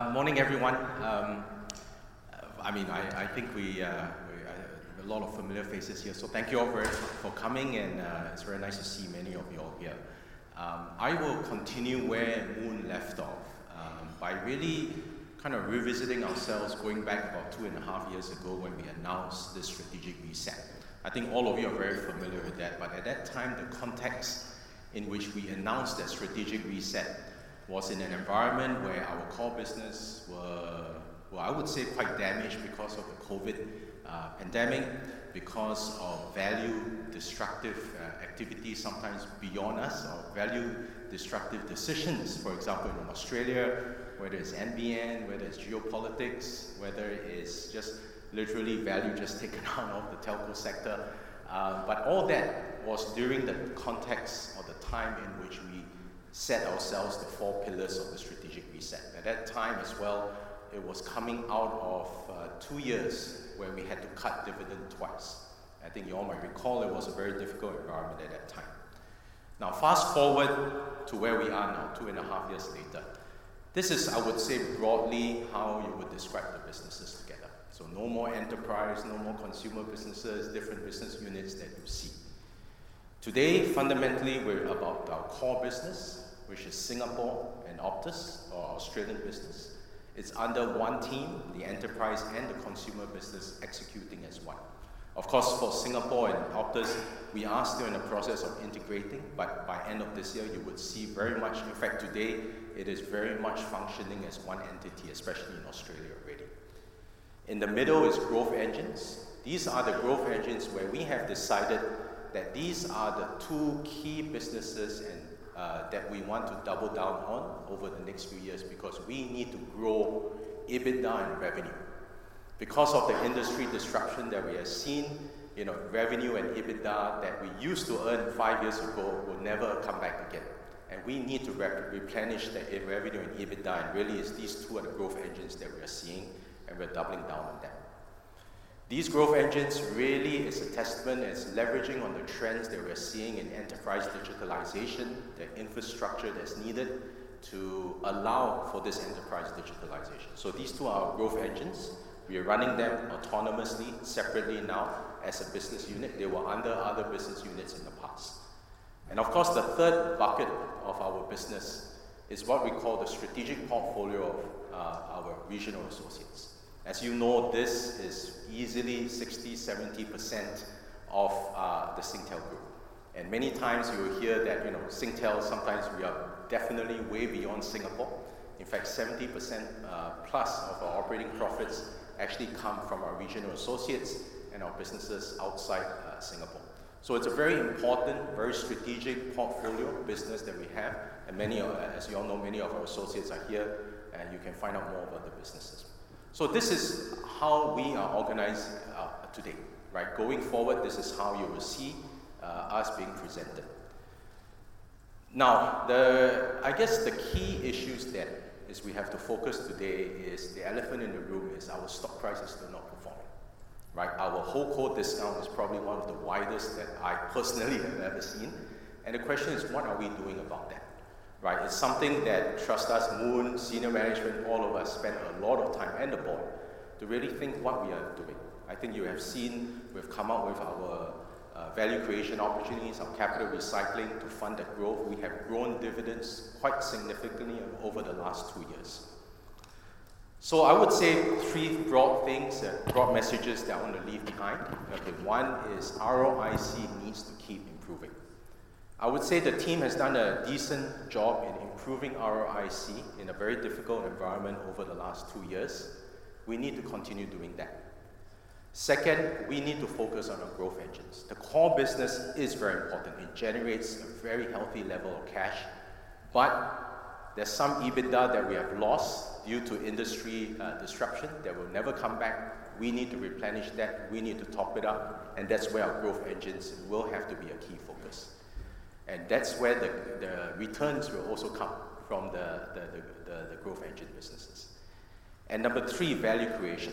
Good morning, everyone. I mean, I, I think we, we, a lot of familiar faces here. Thank you all very for coming, and it's very nice to see many of you all here. I will continue where Moon left off, by really kind of revisiting ourselves, going back about 2.5 years ago when we announced this strategic reset. I think all of you are very familiar with that, at that time, the context in which we announced that strategic reset was in an environment where our core business were, well, I would say, quite damaged because of the COVID pandemic, because of value-destructive activities, sometimes beyond us, or value-destructive decisions. For example, in Australia, whether it's NBN, whether it's geopolitics, whether it's just literally value just taken out of the telco sector. All that was during the context of the time in which we set ourselves the 4 pillars of the strategic reset. At that time as well, it was coming out of 2 years where we had to cut dividend twice. I think you all might recall it was a very difficult environment at that time. Now, fast-forward to where we are now, 2.5 years later. This is, I would say, broadly, how you would describe the businesses together. No more enterprise, no more consumer businesses, different business units that you see. Today, fundamentally, we're about our core business, which is Singapore and Optus, or Australian business. It's under 1 team, the enterprise and the consumer business executing as 1. Of course, for Singapore and Optus, we are still in the process of integrating, but by end of this year, you would see very much... In fact, today, it is very much functioning as one entity, especially in Australia already. In the middle is growth engines. These are the growth engines where we have decided that these are the two key businesses and that we want to double down on over the next few years, because we need to grow EBITDA and revenue. Because of the industry disruption that we have seen, you know, revenue and EBITDA that we used to earn five years ago will never come back again, and we need to re-replenish the revenue and EBITDA, and really, it's these two are the growth engines that we are seeing, and we're doubling down on them. These growth engines really is a testament, it's leveraging on the trends that we're seeing in enterprise digitalization, the infrastructure that's needed to allow for this enterprise digitalization. These two are our growth engines. We are running them autonomously, separately now as a business unit. They were under other business units in the past. Of course, the third bucket of our business is what we call the strategic portfolio of our regional associates. As you know, this is easily 60%-70% of the Singtel Group. Many times you will hear that, you know, Singtel, sometimes we are definitely way beyond Singapore. In fact, 70% plus of our operating profits actually come from our regional associates and our businesses outside Singapore. It's a very important, very strategic portfolio business that we have, and many of... As you all know, many of our associates are here, and you can find out more about the businesses. This is how we are organized today, right? Going forward, this is how you will see us being presented. Now, I guess the key issues that is we have to focus today is the elephant in the room, is our stock price is still not performing, right? Our HoldCo discount is probably one of the widest that I personally have ever seen. The question is: what are we doing about that, right? It's something that, trust us, Moon, senior management, all of us spend a lot of time, and the board, to really think what we are doing. I think you have seen, we've come out with our value creation opportunities, our capital recycling to fund that growth. We have grown dividends quite significantly over the last 2 years. I would say 3 broad things, broad messages that I want to leave behind. Okay, one is ROIC needs to keep improving. I would say the team has done a decent job in improving ROIC in a very difficult environment over the last 2 years. We need to continue doing that. Second, we need to focus on our growth engines. The core business is very important. It generates a very healthy level of cash, but there's some EBITDA that we have lost due to industry disruption that will never come back. We need to replenish that. We need to top it up, and that's where our growth engines will have to be a key focus. That's where the, the returns will also come from, the, the, the, the, the growth engine businesses. Number 3, value creation.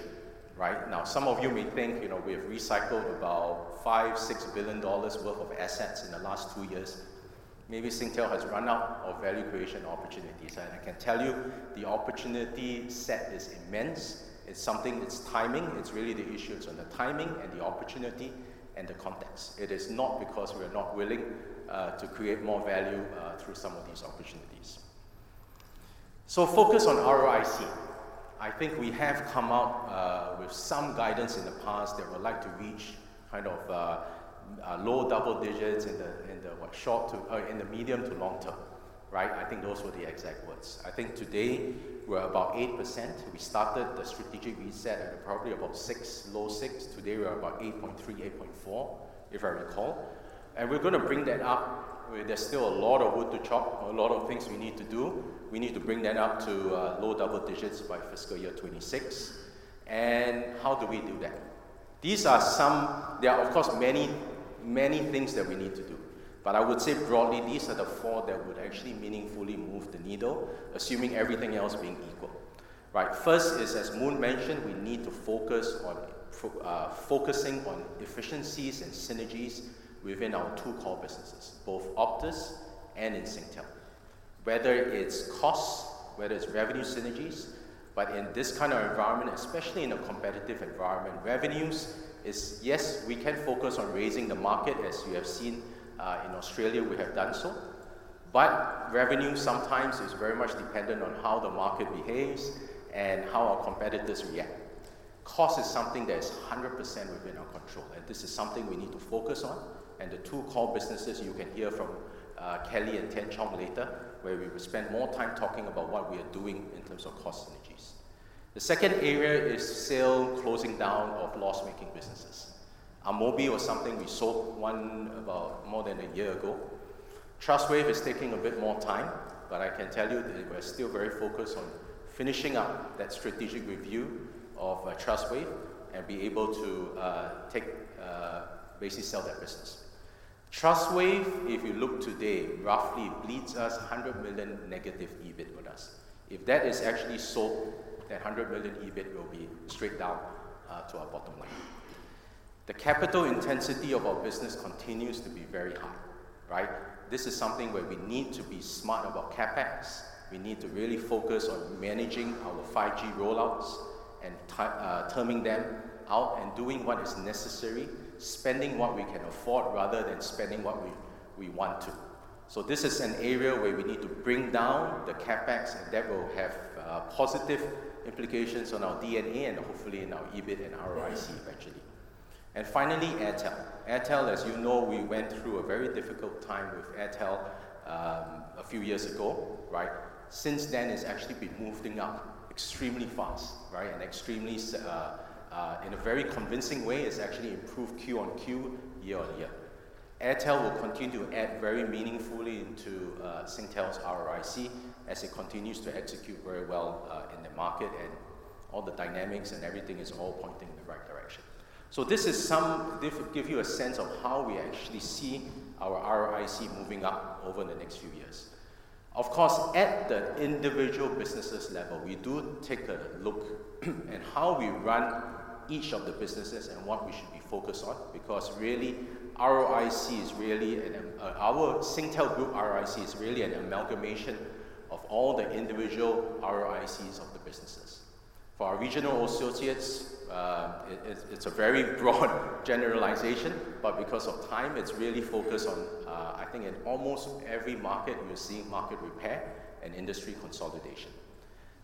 Right now, some of you may think, you know, we have recycled about $5 billion-$6 billion worth of assets in the last 2 years. Maybe Singtel has run out of value creation opportunities, and I can tell you, the opportunity set is immense. It's something, it's timing. It's really the issues on the timing and the opportunity and the context. It is not because we are not willing to create more value through some of these opportunities. Focus on ROIC. I think we have come up with some guidance in the past that we'ld like to reach kind of low double digits in the, in the what? Short to in the medium to long term, right? I think those were the exact words. I think today we're about 8%. We started the strategic reset at probably about 6, low 6. Today, we are about 8.3, 8.4, if I recall. We're going to bring that up, where there's still a lot of wood to chop, a lot of things we need to do. We need to bring that up to low double digits by Fiscal Year 2026. How do we do that? There are, of course, many, many things that we need to do, but I would say broadly, these are the 4 that would actually meaningfully move the needle, assuming everything else being equal. Right. First is, as Moon mentioned, we need to focus on focusing on efficiencies and synergies within our 2 core businesses, both Optus and in Singtel. Whether it's costs, whether it's revenue synergies, but in this kind of environment, especially in a competitive environment, revenues is, yes, we can focus on raising the market, as you have seen, in Australia, we have done so. Revenue sometimes is very much dependent on how the market behaves and how our competitors react. Cost is something that is 100% within our control, and this is something we need to focus on, and the two core businesses you can hear from, Kelly and Tian Chong later, where we will spend more time talking about what we are doing in terms of cost synergies. The second area is sale, closing down of loss-making businesses. Amobee was something we sold one about more than a year ago. Trustwave is taking a bit more time, but I can tell you that we're still very focused on finishing up that strategic review of Trustwave and be able to take basically sell that business. Trustwave, if you look today, roughly bleeds us 100 million negative EBIT with us. If that is actually sold, that 100 million EBIT will be straight down to our bottom line. The capital intensity of our business continues to be very high, right? This is something where we need to be smart about CapEx. We need to really focus on managing our 5G rollouts and terming them out and doing what is necessary, spending what we can afford rather than spending what we, we want to. This is an area where we need to bring down the CapEx, and that will have positive implications on our D&A and hopefully in our EBIT and ROIC, actually. Finally, Airtel. Airtel, as you know, we went through a very difficult time with Airtel a few years ago, right? Since then, it's actually been moving up extremely fast, right? Extremely in a very convincing way, it's actually improved Q-on-Q, year-on-year. Airtel will continue to add very meaningfully into Singtel's ROIC as it continues to execute very well in the market and all the dynamics and everything is all pointing in the right direction. This will give you a sense of how we actually see our ROIC moving up over the next few years. Of course, at the individual businesses level, we do take a look at how we run each of the businesses and what we should be focused on, because really, ROIC is really our Singtel Group ROIC is really an amalgamation of all the individual ROICs of the businesses. For our regional associates, it's a very broad generalization, but because of time, it's really focused on, I think in almost every market, you're seeing market repair and industry consolidation.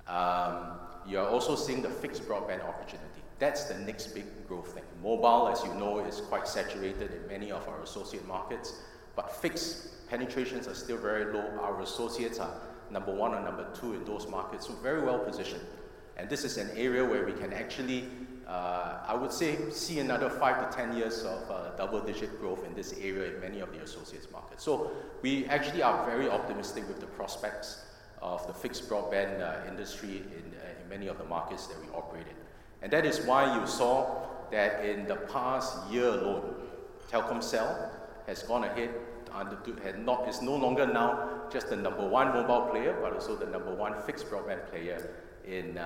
You are also seeing the fixed broadband opportunity. That's the next big growth thing. Mobile, as you know, is quite saturated in many of our associate markets, but fixed penetrations are still very low. Our associates are number one or number two in those markets, so very well positioned. This is an area where we can actually, I would say, see another 5-10 years of double-digit growth in this area in many of the associates markets. We actually are very optimistic with the prospects of the fixed broadband industry in many of the markets that we operate in. That is why you saw that in the past year alone, Telkomsel has gone ahead on the... had not, is no longer now just the number 1 mobile player, but also the number 1 fixed broadband player in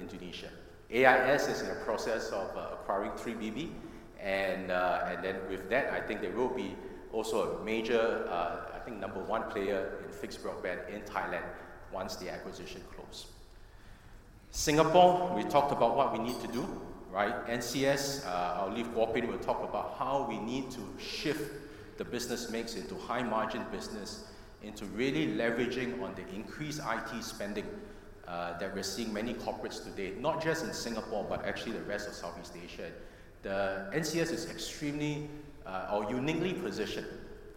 Indonesia. AIS is in the process of acquiring 3BB, and then with that, I think they will be also a major, I think number 1 player in fixed broadband in Thailand once the acquisition close. Singapore, we talked about what we need to do, right? NCS, I'll leave Kuo Pin will talk about how we need to shift the business mix into high-margin business, into really leveraging on the increased IT spending, that we're seeing many corporates today, not just in Singapore, but actually the rest of Southeast Asia. The NCS is extremely, or uniquely positioned,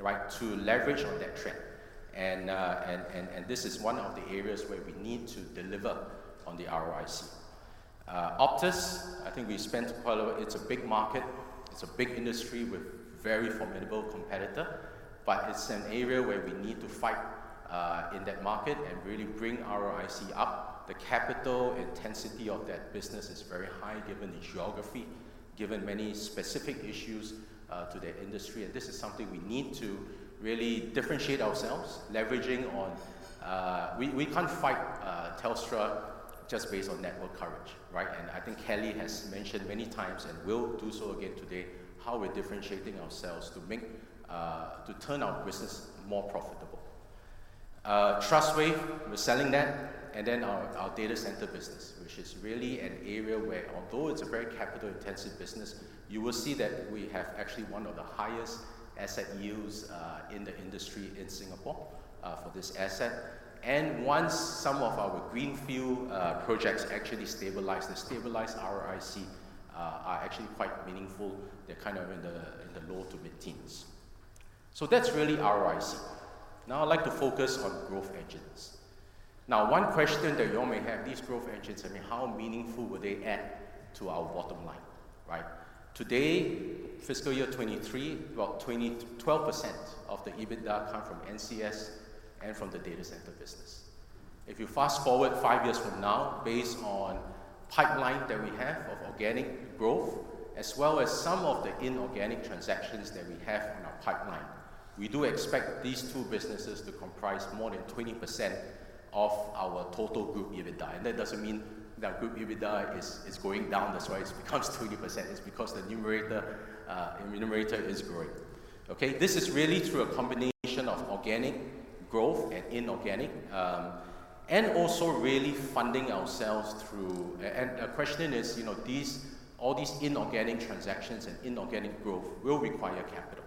right, to leverage on that trend. This is one of the areas where we need to deliver on the ROIC. Optus, I think we spent quite a lot. It's a big market. It's a big industry with very formidable competitor, but it's an area where we need to fight in that market and really bring ROIC up. The capital intensity of that business is very high, given the geography, given many specific issues to the industry, and this is something we need to really differentiate ourselves, leveraging on. We, we can't fight Telstra just based on network coverage, right? I think Kelly has mentioned many times, and will do so again today, how we're differentiating ourselves to make to turn our business more profitable. Trustwave, we're selling that, and then our, our data center business, which is really an area where, although it's a very capital-intensive business, you will see that we have actually one of the highest asset yield in the industry in Singapore for this asset. Once some of our greenfield projects actually stabilize, the stabilized ROIC are actually quite meaningful. They're kind of in the low to mid-teens. That's really ROIC. Now, I'd like to focus on growth engines. Now, one question that you all may have, these growth engines, I mean, how meaningful would they add to our bottom line, right? Today, fiscal year 2023, well, 12% of the EBITDA come from NCS and from the data center business. If you fast-forward 5 years from now, based on pipeline that we have of organic growth, as well as some of the inorganic transactions that we have in our pipeline, we do expect these two businesses to comprise more than 20% of our total group EBITDA. That doesn't mean that group EBITDA is going down, that's why it becomes 20%. It's because the numerator, numerator is growing. Okay, this is really through a combination of organic growth and inorganic and also really funding ourselves. And the question is, you know, these, all these inorganic transactions and inorganic growth will require capital.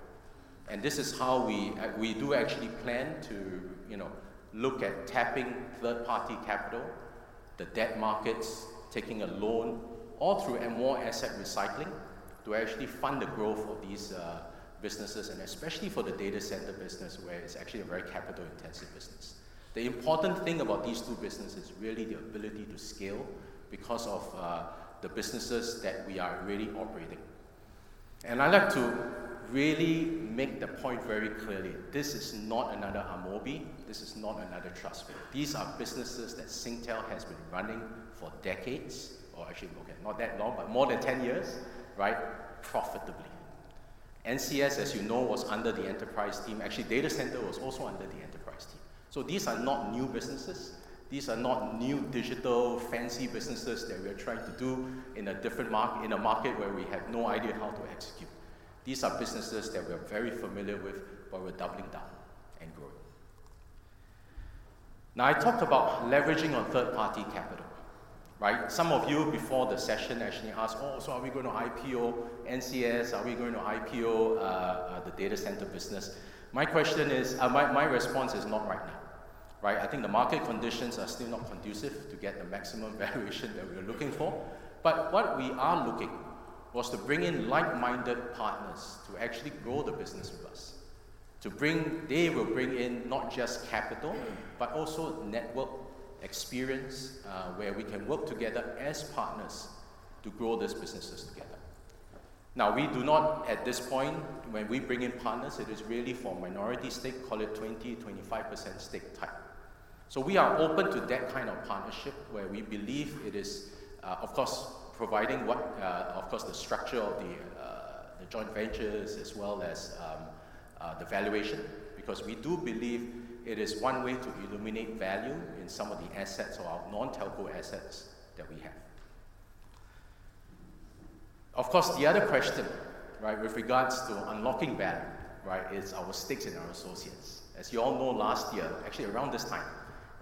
This is how we, we do actually plan to, you know, look at tapping third-party capital, the debt markets, taking a loan, all through and more asset recycling to actually fund the growth of these businesses, and especially for the data center business, where it's actually a very capital-intensive business. The important thing about these two businesses is really the ability to scale because of the businesses that we are already operating. I'd like to really make the point very clearly, this is not another Amobee, this is not another Trustwave. These are businesses that Singtel has been running for decades, or actually, okay, not that long, but more than 10 years, right, profitably. NCS, as you know, was under the enterprise team. Actually, data center was also under the enterprise team. These are not new businesses. These are not new digital, fancy businesses that we are trying to do in a different mark- in a market where we have no idea how to execute. These are businesses that we are very familiar with, but we're doubling down and growing. I talked about leveraging on third-party capital, right? Some of you before the session actually asked, "Oh, so are we going to IPO NCS? Are we going to IPO, the data center business?" My question is-- my, my response is not right now, right? I think the market conditions are still not conducive to get the maximum valuation that we are looking for. What we are looking was to bring in like-minded partners to actually grow the business with us. They will bring in not just capital, but also network experience, where we can work together as partners to grow these businesses together. We do not, at this point, when we bring in partners, it is really for minority stake, call it 20-25% stake type. We are open to that kind of partnership where we believe it is, of course, providing what, of course, the structure of the, the joint ventures as well as the valuation, because we do believe it is one way to illuminate value in some of the assets or our non-telco assets that we have. Of course, the other question, right, with regards to unlocking value, right, is our stakes in our associates. As you all know, last year, actually around this time,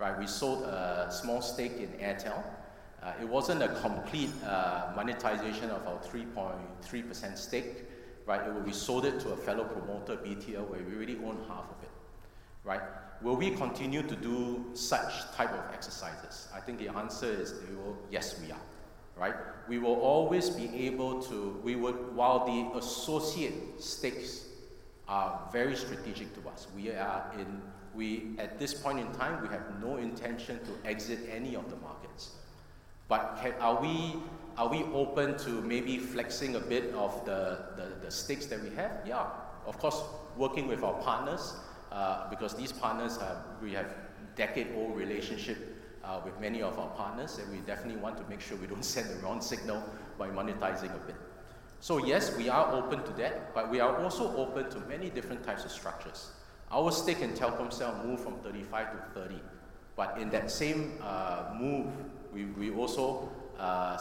right, we sold a small stake in Airtel. It wasn't a complete monetization of our 3.3% stake, right? We, we sold it to a fellow promoter, BTL, where we already own half of it, right? Will we continue to do such type of exercises? I think the answer is we will, yes, we are, right. We will always be able to-- we would-- while the associate stakes are very strategic to us, we are in-- we, at this point in time, we have no intention to exit any of the markets. Can-- are we, are we open to maybe flexing a bit of the, the, the stakes that we have? Yeah. Of course, working with our partners, because these partners, have, we have decade-old relationship, with many of our partners, and we definitely want to make sure we don't send the wrong signal by monetizing a bit. Yes, we are open to that, but we are also open to many different types of structures. Our stake in Telkomsel moved from 35 to 30, but in that same move, we also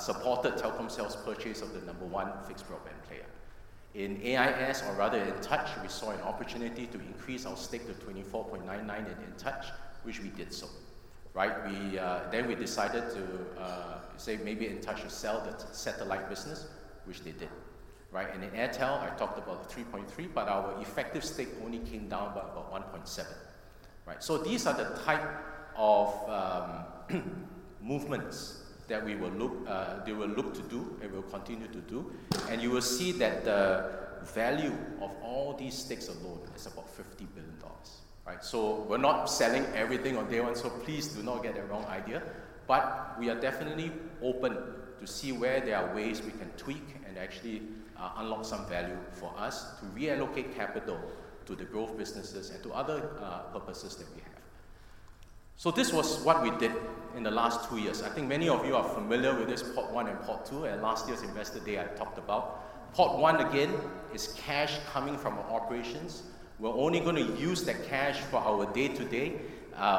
supported Telkomsel's purchase of the number one fixed broadband player. In AIS, or rather in Intouch, we saw an opportunity to increase our stake to 24.99 in Intouch, which we did so. Right, we then decided to say, maybe Intouch to sell the satellite business, which they did. And in Airtel, I talked about 3.3, but our effective stake only came down by about 1.7, right? These are the type of movements that we will look, they will look to do and will continue to do. You will see that the value of all these stakes alone is about $50 billion, right? We're not selling everything on day one, so please do not get the wrong idea. We are definitely open to see where there are ways we can tweak and actually unlock some value for us to reallocate capital to the growth businesses and to other purposes that we have. This was what we did in the last two years. I think many of you are familiar with this Pot 1 and Pot 2, at last year's Investor Day, I talked about. Pot 1, again, is cash coming from our operations. We're only going to use that cash for our day-to-day,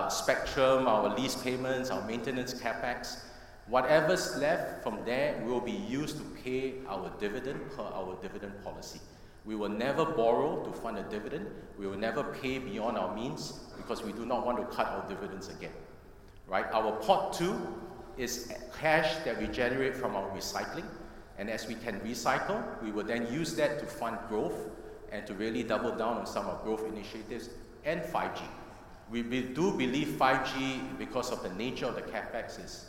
spectrum, our lease payments, our maintenance CapEx. Whatever's left from there will be used to pay our dividend per our dividend policy. We will never borrow to fund a dividend. We will never pay beyond our means because we do not want to cut our dividends again, right? Our Pot 2 is cash that we generate from our recycling. As we can recycle, we will then use that to fund growth and to really double down on some of our growth initiatives and 5G. We do believe 5G, because of the nature of the CapEx, is,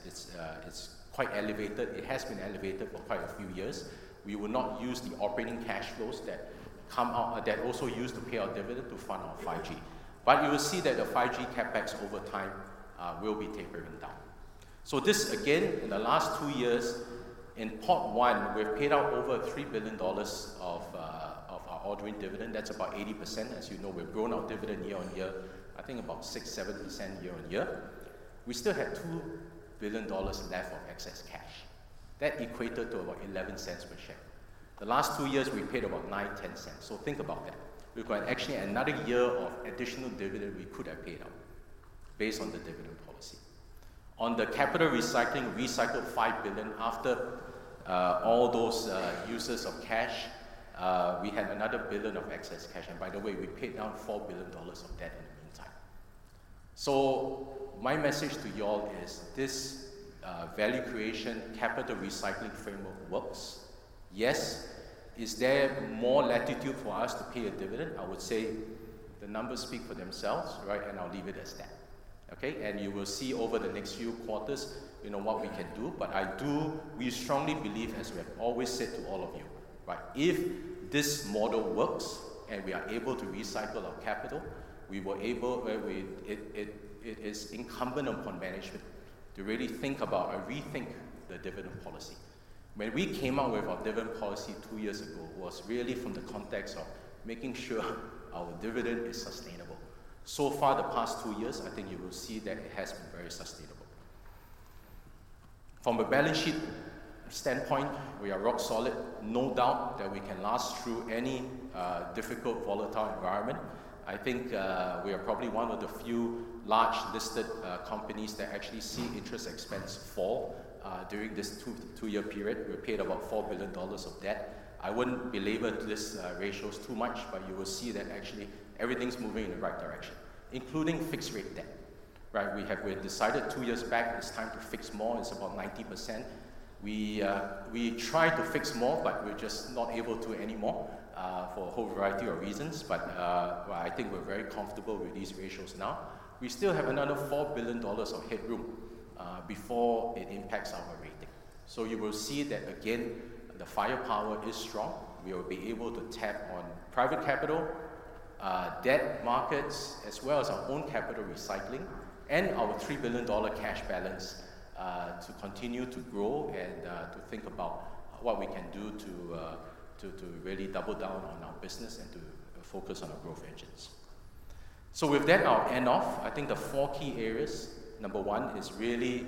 it's quite elevated. It has been elevated for quite a few years. We will not use the operating cash flows that come out that also use to pay our dividend to fund our 5G. You will see that the 5G CapEx over time, will be tapering down. This, again, in the last two years, in Pot 1, we've paid out over 3 billion dollars of, of our ordinary dividend. That's about 80%. As you know, we've grown our dividend year on year, I think about 6%-7% year on year. We still had 2 billion dollars left of excess cash. That equated to about 0.11 per share. The last two years, we paid about 0.09-0.10. Think about that. We've got actually another year of additional dividend we could have paid out.... based on the dividend policy. On the capital recycling, we cycled 5 billion after all those uses of cash, we had another 1 billion of excess cash. By the way, we paid down 4 billion dollars of debt in the meantime. My message to you all is this, value creation, capital recycling framework works. Yes. Is there more latitude for us to pay a dividend? I would say the numbers speak for themselves, right? I'll leave it as that. Okay, you will see over the next few quarters, you know, what we can do. We strongly believe, as we have always said to all of you, right, if this model works and we are able to recycle our capital, we were able, it is incumbent upon management to really think about or rethink the dividend policy. When we came up with our dividend policy 2 years ago, it was really from the context of making sure our dividend is sustainable. So far, the past 2 years, I think you will see that it has been very sustainable. From a balance sheet standpoint, we are rock solid, no doubt that we can last through any difficult, volatile environment. I think, we are probably one of the few large listed, companies that actually see interest expense fall, during this 2, 2-year period. We paid about 4 billion dollars of debt. I wouldn't belabor this, ratios too much. You will see that actually everything's moving in the right direction, including fixed rate debt, right? We decided 2 years back, it's time to fix more. It's about 90%. We, we tried to fix more. We're just not able to anymore, for a whole variety of reasons. I think we're very comfortable with these ratios now. We still have another 4 billion dollars of headroom, before it impacts our rating. You will see that again, the firepower is strong. We will be able to tap on private capital, debt markets, as well as our own capital recycling and our 3 billion dollar cash balance, to continue to grow and to think about what we can do to really double down on our business and to focus on our growth engines. With that, I'll end off. I think the four key areas, number one is really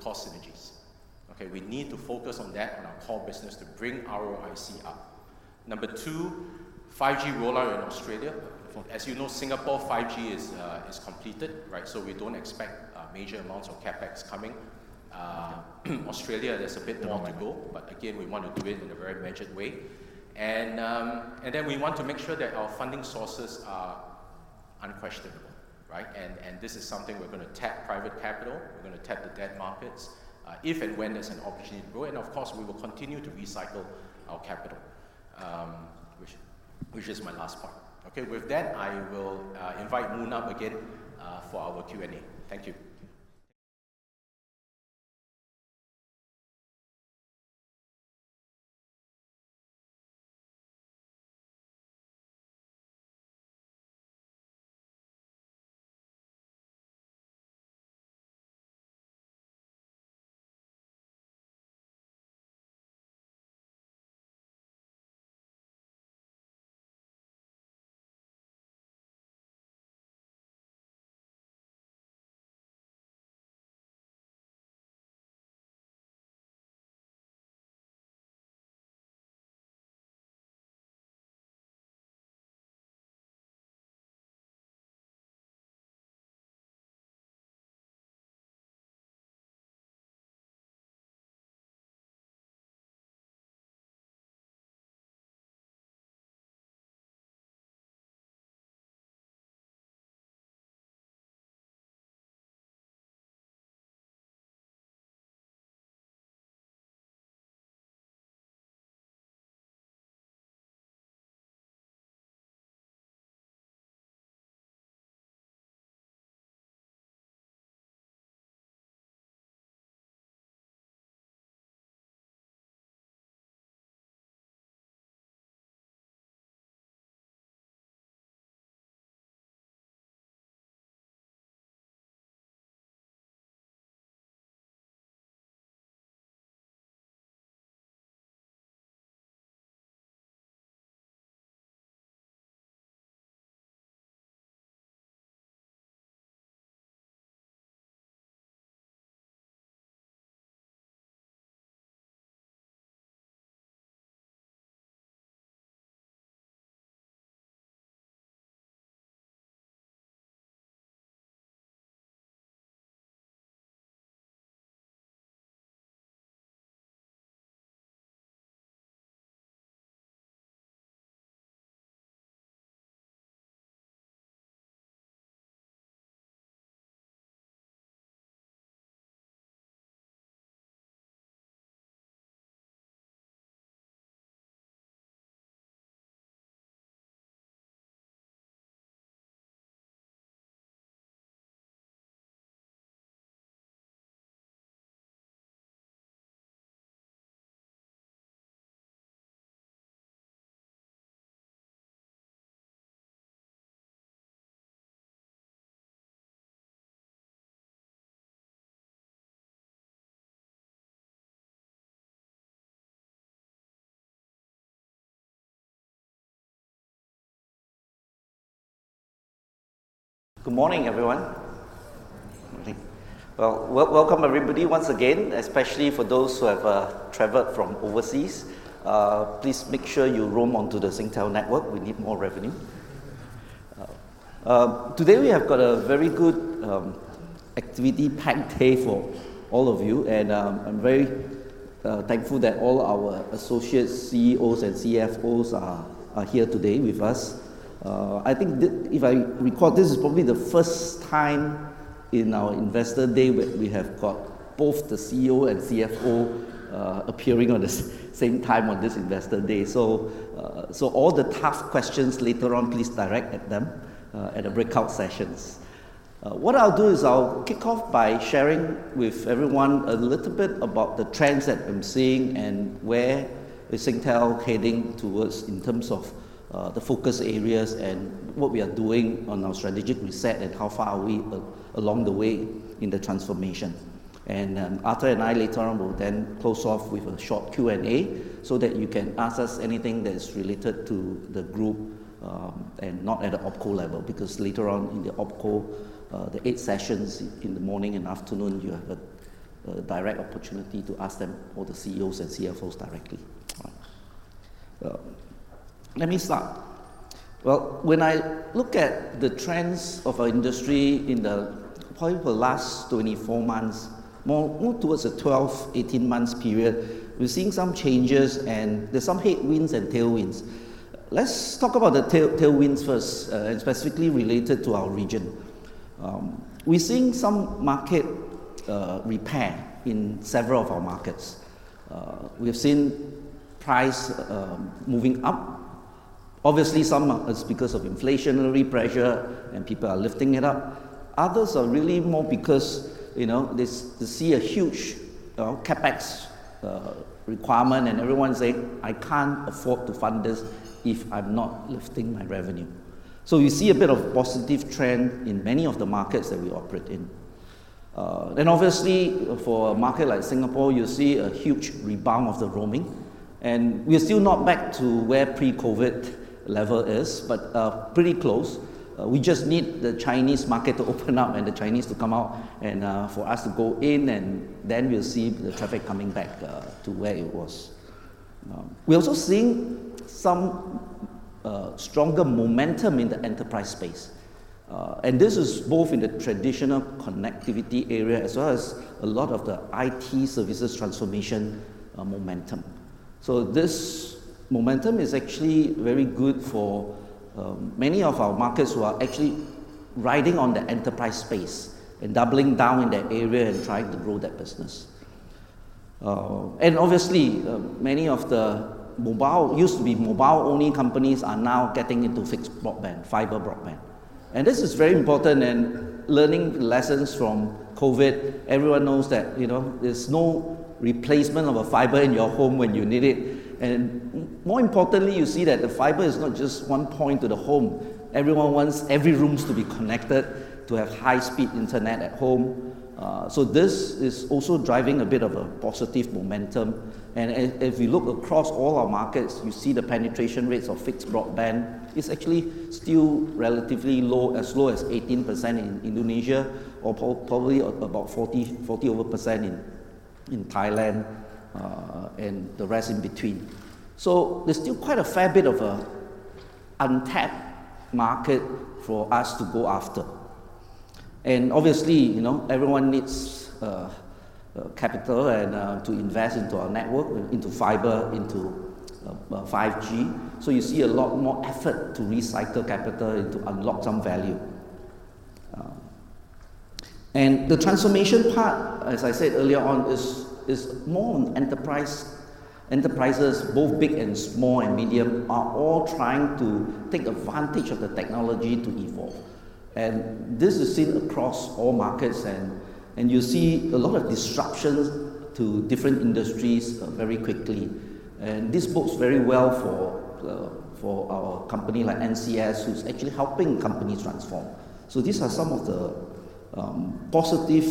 cost synergies. Okay, we need to focus on that, on our core business to bring ROIC up. Number two, 5G rollout in Australia. As you know, Singapore, 5G is completed, right? So we don't expect major amounts of CapEx coming. Australia, there's a bit more to go, but again, we want to do it in a very measured way. We want to make sure that our funding sources are unquestionable, right? This is something we're going to tap private capital. We're going to tap the debt markets, if and when there's an opportunity to grow. Of course, we will continue to recycle our capital, which, which is my last part. Okay, with that, I will invite Moon up again for our Q&A. Thank you. Well, welcome, everybody, once again, especially for those who have traveled from overseas. Please make sure you roam onto the Singtel network. We need more revenue. Today, we have got a very good, activity-packed day for all of you, and I'm very thankful that all our associate CEOs and CFOs are here today with us. I think that if I recall, this is probably the first time in our Investor Day where we have got both the CEO and CFO appearing on the same, same time on this Investor Day. All the tough questions later on, please direct at them at the breakout sessions. What I'll do is I'll kick off by sharing with everyone a little bit about the trends that I'm seeing and where is Singtel heading towards in terms of the focus areas and what we are doing on our strategic reset, and how far are we along the way in the transformation. Arthur and I later on will then close off with a short Q&A, so that you can ask us anything that is related to the group, and not at the OpCo level, because later on in the OpCo, the eight sessions in the morning and afternoon, you have a direct opportunity to ask them, all the CEOs and CFOs directly. Let me start. Well, when I look at the trends of our industry in the probably for the last 24 months, more, more towards the 12, 18 months period, we're seeing some changes, and there's some headwinds and tailwinds. Let's talk about the tailwinds first, and specifically related to our region. We're seeing some market repair in several of our markets. We've seen price moving up. Obviously, some are, it's because of inflationary pressure and people are lifting it up. Others are really more because, you know, they see a huge CapEx requirement, and everyone's saying, "I can't afford to fund this if I'm not lifting my revenue." You see a bit of positive trend in many of the markets that we operate in. Obviously, for a market like Singapore, you see a huge rebound of the roaming, and we're still not back to where pre-COVID level is, but pretty close. We just need the Chinese market to open up and the Chinese to come out and for us to go in, and then we'll see the traffic coming back to where it was. We're also seeing some stronger momentum in the enterprise space, and this is both in the traditional connectivity area, as well as a lot of the IT services transformation momentum. This momentum is actually very good for many of our markets who are actually riding on the enterprise space and doubling down in that area and trying to grow that business. Obviously, many of the mobile-- used to be mobile-only companies are now getting into fixed broadband, fiber broadband. This is very important, and learning lessons from COVID, everyone knows that, you know, there's no replacement of a fiber in your home when you need it. M- more importantly, you see that the fiber is not just one point to the home. Everyone wants every rooms to be connected to have high-speed internet at home. So this is also driving a bit of a positive momentum. I- if you look across all our markets, you see the penetration rates of fixed broadband is actually still relatively low, as low as 18% in Indonesia or pro- probably about 40, 40+% in, in Thailand, and the rest in between. There's still quite a fair bit of a untapped market for us to go after. Obviously, you know, everyone needs capital and to invest into our network, into fiber, into 5G. You see a lot more effort to recycle capital and to unlock some value. The transformation part, as I said earlier on, is more on enterprise. Enterprises, both big and small and medium, are all trying to take advantage of the technology to evolve. This is seen across all markets, and you see a lot of disruptions to different industries very quickly. This bodes very well for our company, like NCS, who's actually helping companies transform. These are some of the positive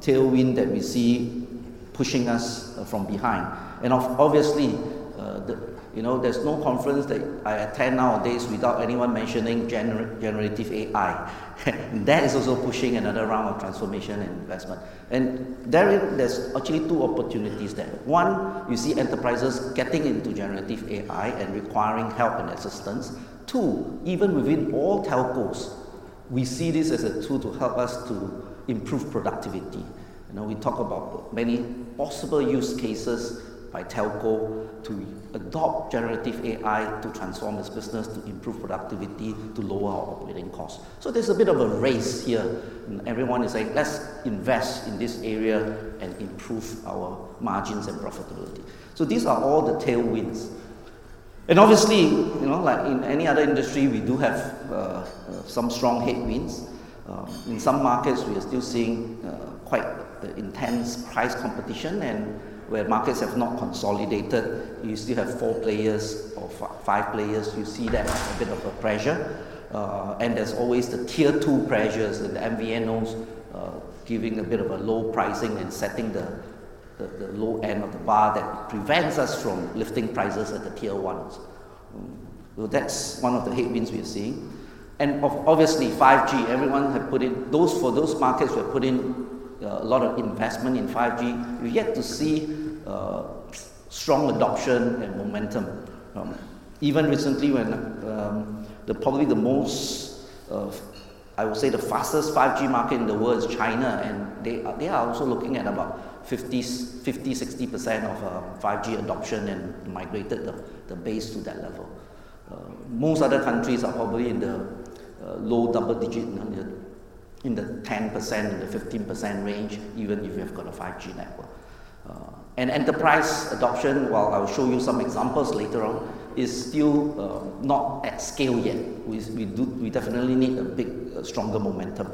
tailwind that we see pushing us from behind. Obviously, you know, there's no conference that I attend nowadays without anyone mentioning generative AI, and that is also pushing another round of transformation and investment. There's actually two opportunities there. One, you see enterprises getting into generative AI and requiring help and assistance. Two, even within all telcos, we see this as a tool to help us to improve productivity. You know, we talk about many possible use cases by telco to adopt generative AI to transform its business, to improve productivity, to lower our operating costs. There's a bit of a race here, and everyone is saying, "Let's invest in this area and improve our margins and profitability." These are all the tailwinds. Obviously, you know, like in any other industry, we do have some strong headwinds. In some markets, we are still seeing quite the intense price competition, where markets have not consolidated, you still have four players or five players. You see that a bit of a pressure. There's always the tier two pressures, the MVNOs, giving a bit of a low pricing and setting the, the, the low end of the bar that prevents us from lifting prices at the tier ones. That's one of the headwinds we are seeing. Obviously, 5G, everyone have put in-- those, for those markets, we have put in a lot of investment in 5G. We're yet to see strong adoption and momentum. Even recently when the probably the most, I would say the fastest 5G market in the world is China, they are also looking at about 50-60% of 5G adoption and migrated the base to that level. Most other countries are probably in the low double-digit, in the 10%, in the 15% range, even if you've got a 5G network. Enterprise adoption, well, I'll show you some examples later on, is still not at scale yet. We definitely need a big, stronger momentum.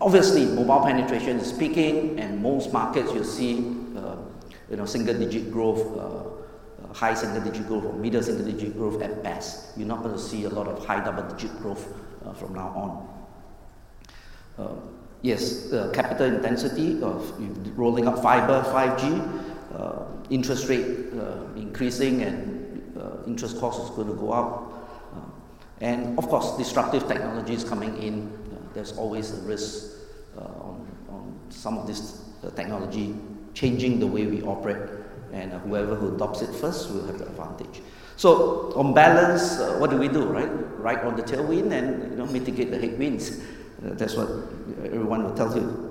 Obviously, mobile penetration is peaking, most markets you'll see, you know, single-digit growth, high single-digit growth or middle single-digit growth at best. You're not going to see a lot of high double-digit growth from now on. Yes, the capital intensity of rolling out fiber, 5G, interest rate increasing and interest cost is going to go up. Of course, disruptive technologies coming in, there's always a risk on, on some of this technology changing the way we operate, and whoever who adopts it first will have the advantage. On balance, what do we do, right? Ride on the tailwind and, you know, mitigate the headwinds. That's what everyone will tell you.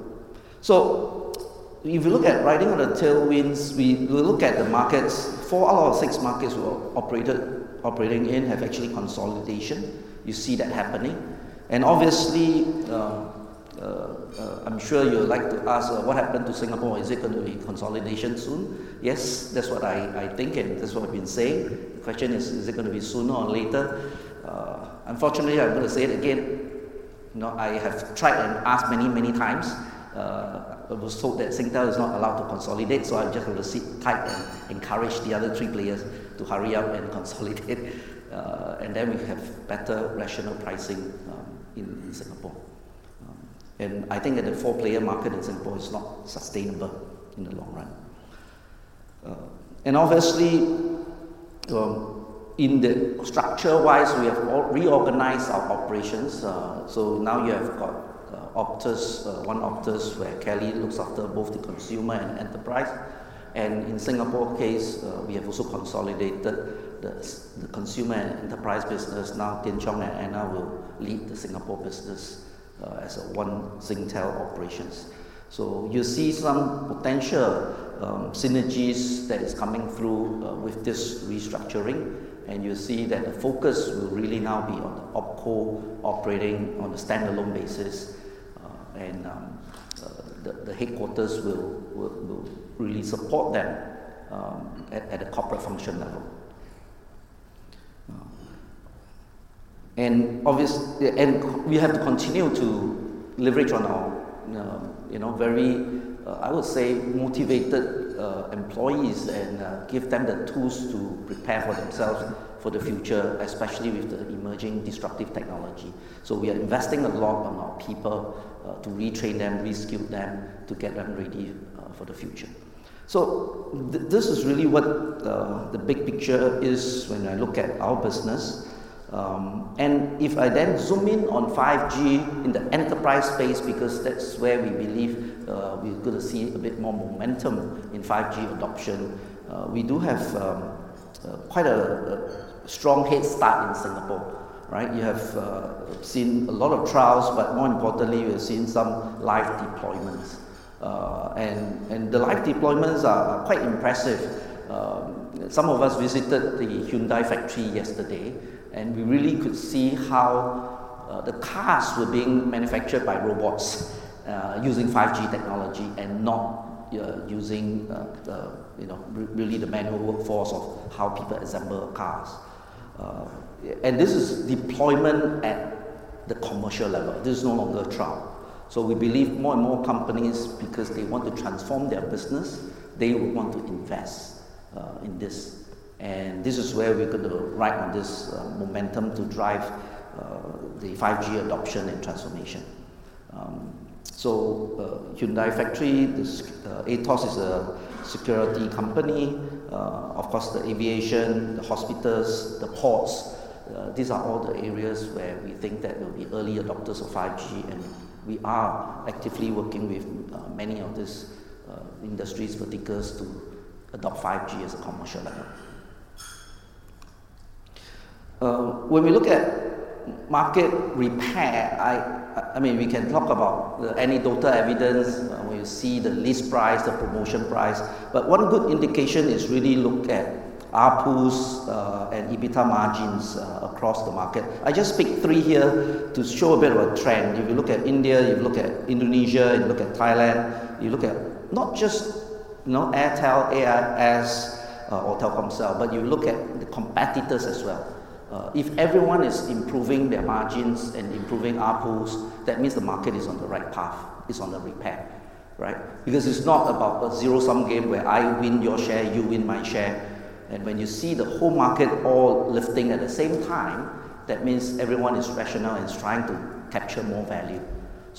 If you look at riding on the tailwinds, we look at the markets. Four out of six markets we're operated, operating in have actually consolidation. You see that happening. Obviously, I'm sure you would like to ask, what happened to Singapore? Is it going to be consolidation soon? Yes, that's what I, I think, and that's what we've been saying. The question is, is it going to be sooner or later? Unfortunately, I'm going to say it again, you know, I have tried and asked many, many times, but was told that Singtel is not allowed to consolidate, so I just have to sit tight and encourage the other three players to hurry up and consolidate, and then we have better rational pricing in Singapore. I think that the four-player market in Singapore is not sustainable in the long run. Obviously, in the structure-wise, we have all reorganized our operations. Now you have got Optus, one Optus, where Kelly looks after both the consumer and enterprise. In Singapore case, we have also consolidated the consumer and enterprise business. Tian Chong and Anna will lead the Singapore business as a one Singtel operations. You see some potential synergies that is coming through with this restructuring, and you see that the focus will really now be on the OpCo operating on a standalone basis, and the headquarters will really support them at a corporate function level. We have to continue to leverage on our, you know, very, I would say, motivated employees and give them the tools to prepare for themselves for the future, especially with the emerging disruptive technology. We are investing a lot on our people to retrain them, reskill them, to get them ready for the future. This is really what the big picture is when I look at our business. If I then zoom in on 5G in the enterprise space, because that's where we believe we're going to see a bit more momentum in 5G adoption, we do have quite a strong head start in Singapore, right? You have seen a lot of trials, but more importantly, we've seen some live deployments. The live deployments are quite impressive. Some of us visited the Hyundai factory yesterday, we really could see how the cars were being manufactured by robots, using 5G technology and not using the, you know, really the manual workforce of how people assemble cars. This is deployment at the commercial level. This is no longer a trial. We believe more and more companies, because they want to transform their business, they would want to invest in this. This is where we're going to ride on this momentum to drive the 5G adoption and transformation. Hyundai factory, this AETOS is a security company. Of course, the aviation, the hospitals, the ports, these are all the areas where we think that there will be early adopters of 5G, and we are actively working with many of these industries verticals to adopt 5G as a commercial level. When we look at market repair, I mean, we can talk about the anecdata evidence, where you see the list price, the promotion price, but one good indication is really looked at ARPUs and EBITDA margins across the market. I just picked three here to show a bit of a trend. If you look at India, you look at Indonesia, you look at Thailand, you look at not just, you know, Airtel, AIS, or Telkomsel, but you look at the competitors as well. If everyone is improving their margins and improving ARPUs, that means the market is on the right path, is on the repair, right? Because it's not about a zero-sum game where I win your share, you win my share. When you see the whole market all lifting at the same time, that means everyone is rational and is trying to capture more value.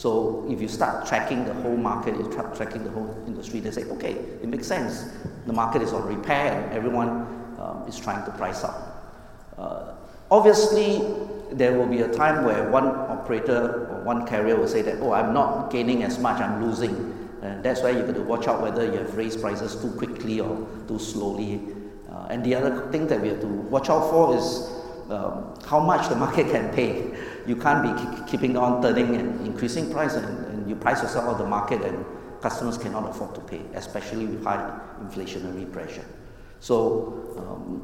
If you start tracking the whole market, you start tracking the whole industry, they say, "Okay, it makes sense. The market is on repair, everyone is trying to price up. Obviously, there will be a time where one operator or one carrier will say that, "Oh, I'm not gaining as much, I'm losing." That's why you've got to watch out whether you have raised prices too quickly or too slowly. The other thing that we have to watch out for is how much the market can pay. You can't be keeping on turning and increasing price, you price yourself out of the market, and customers cannot afford to pay, especially with high inflationary pressure.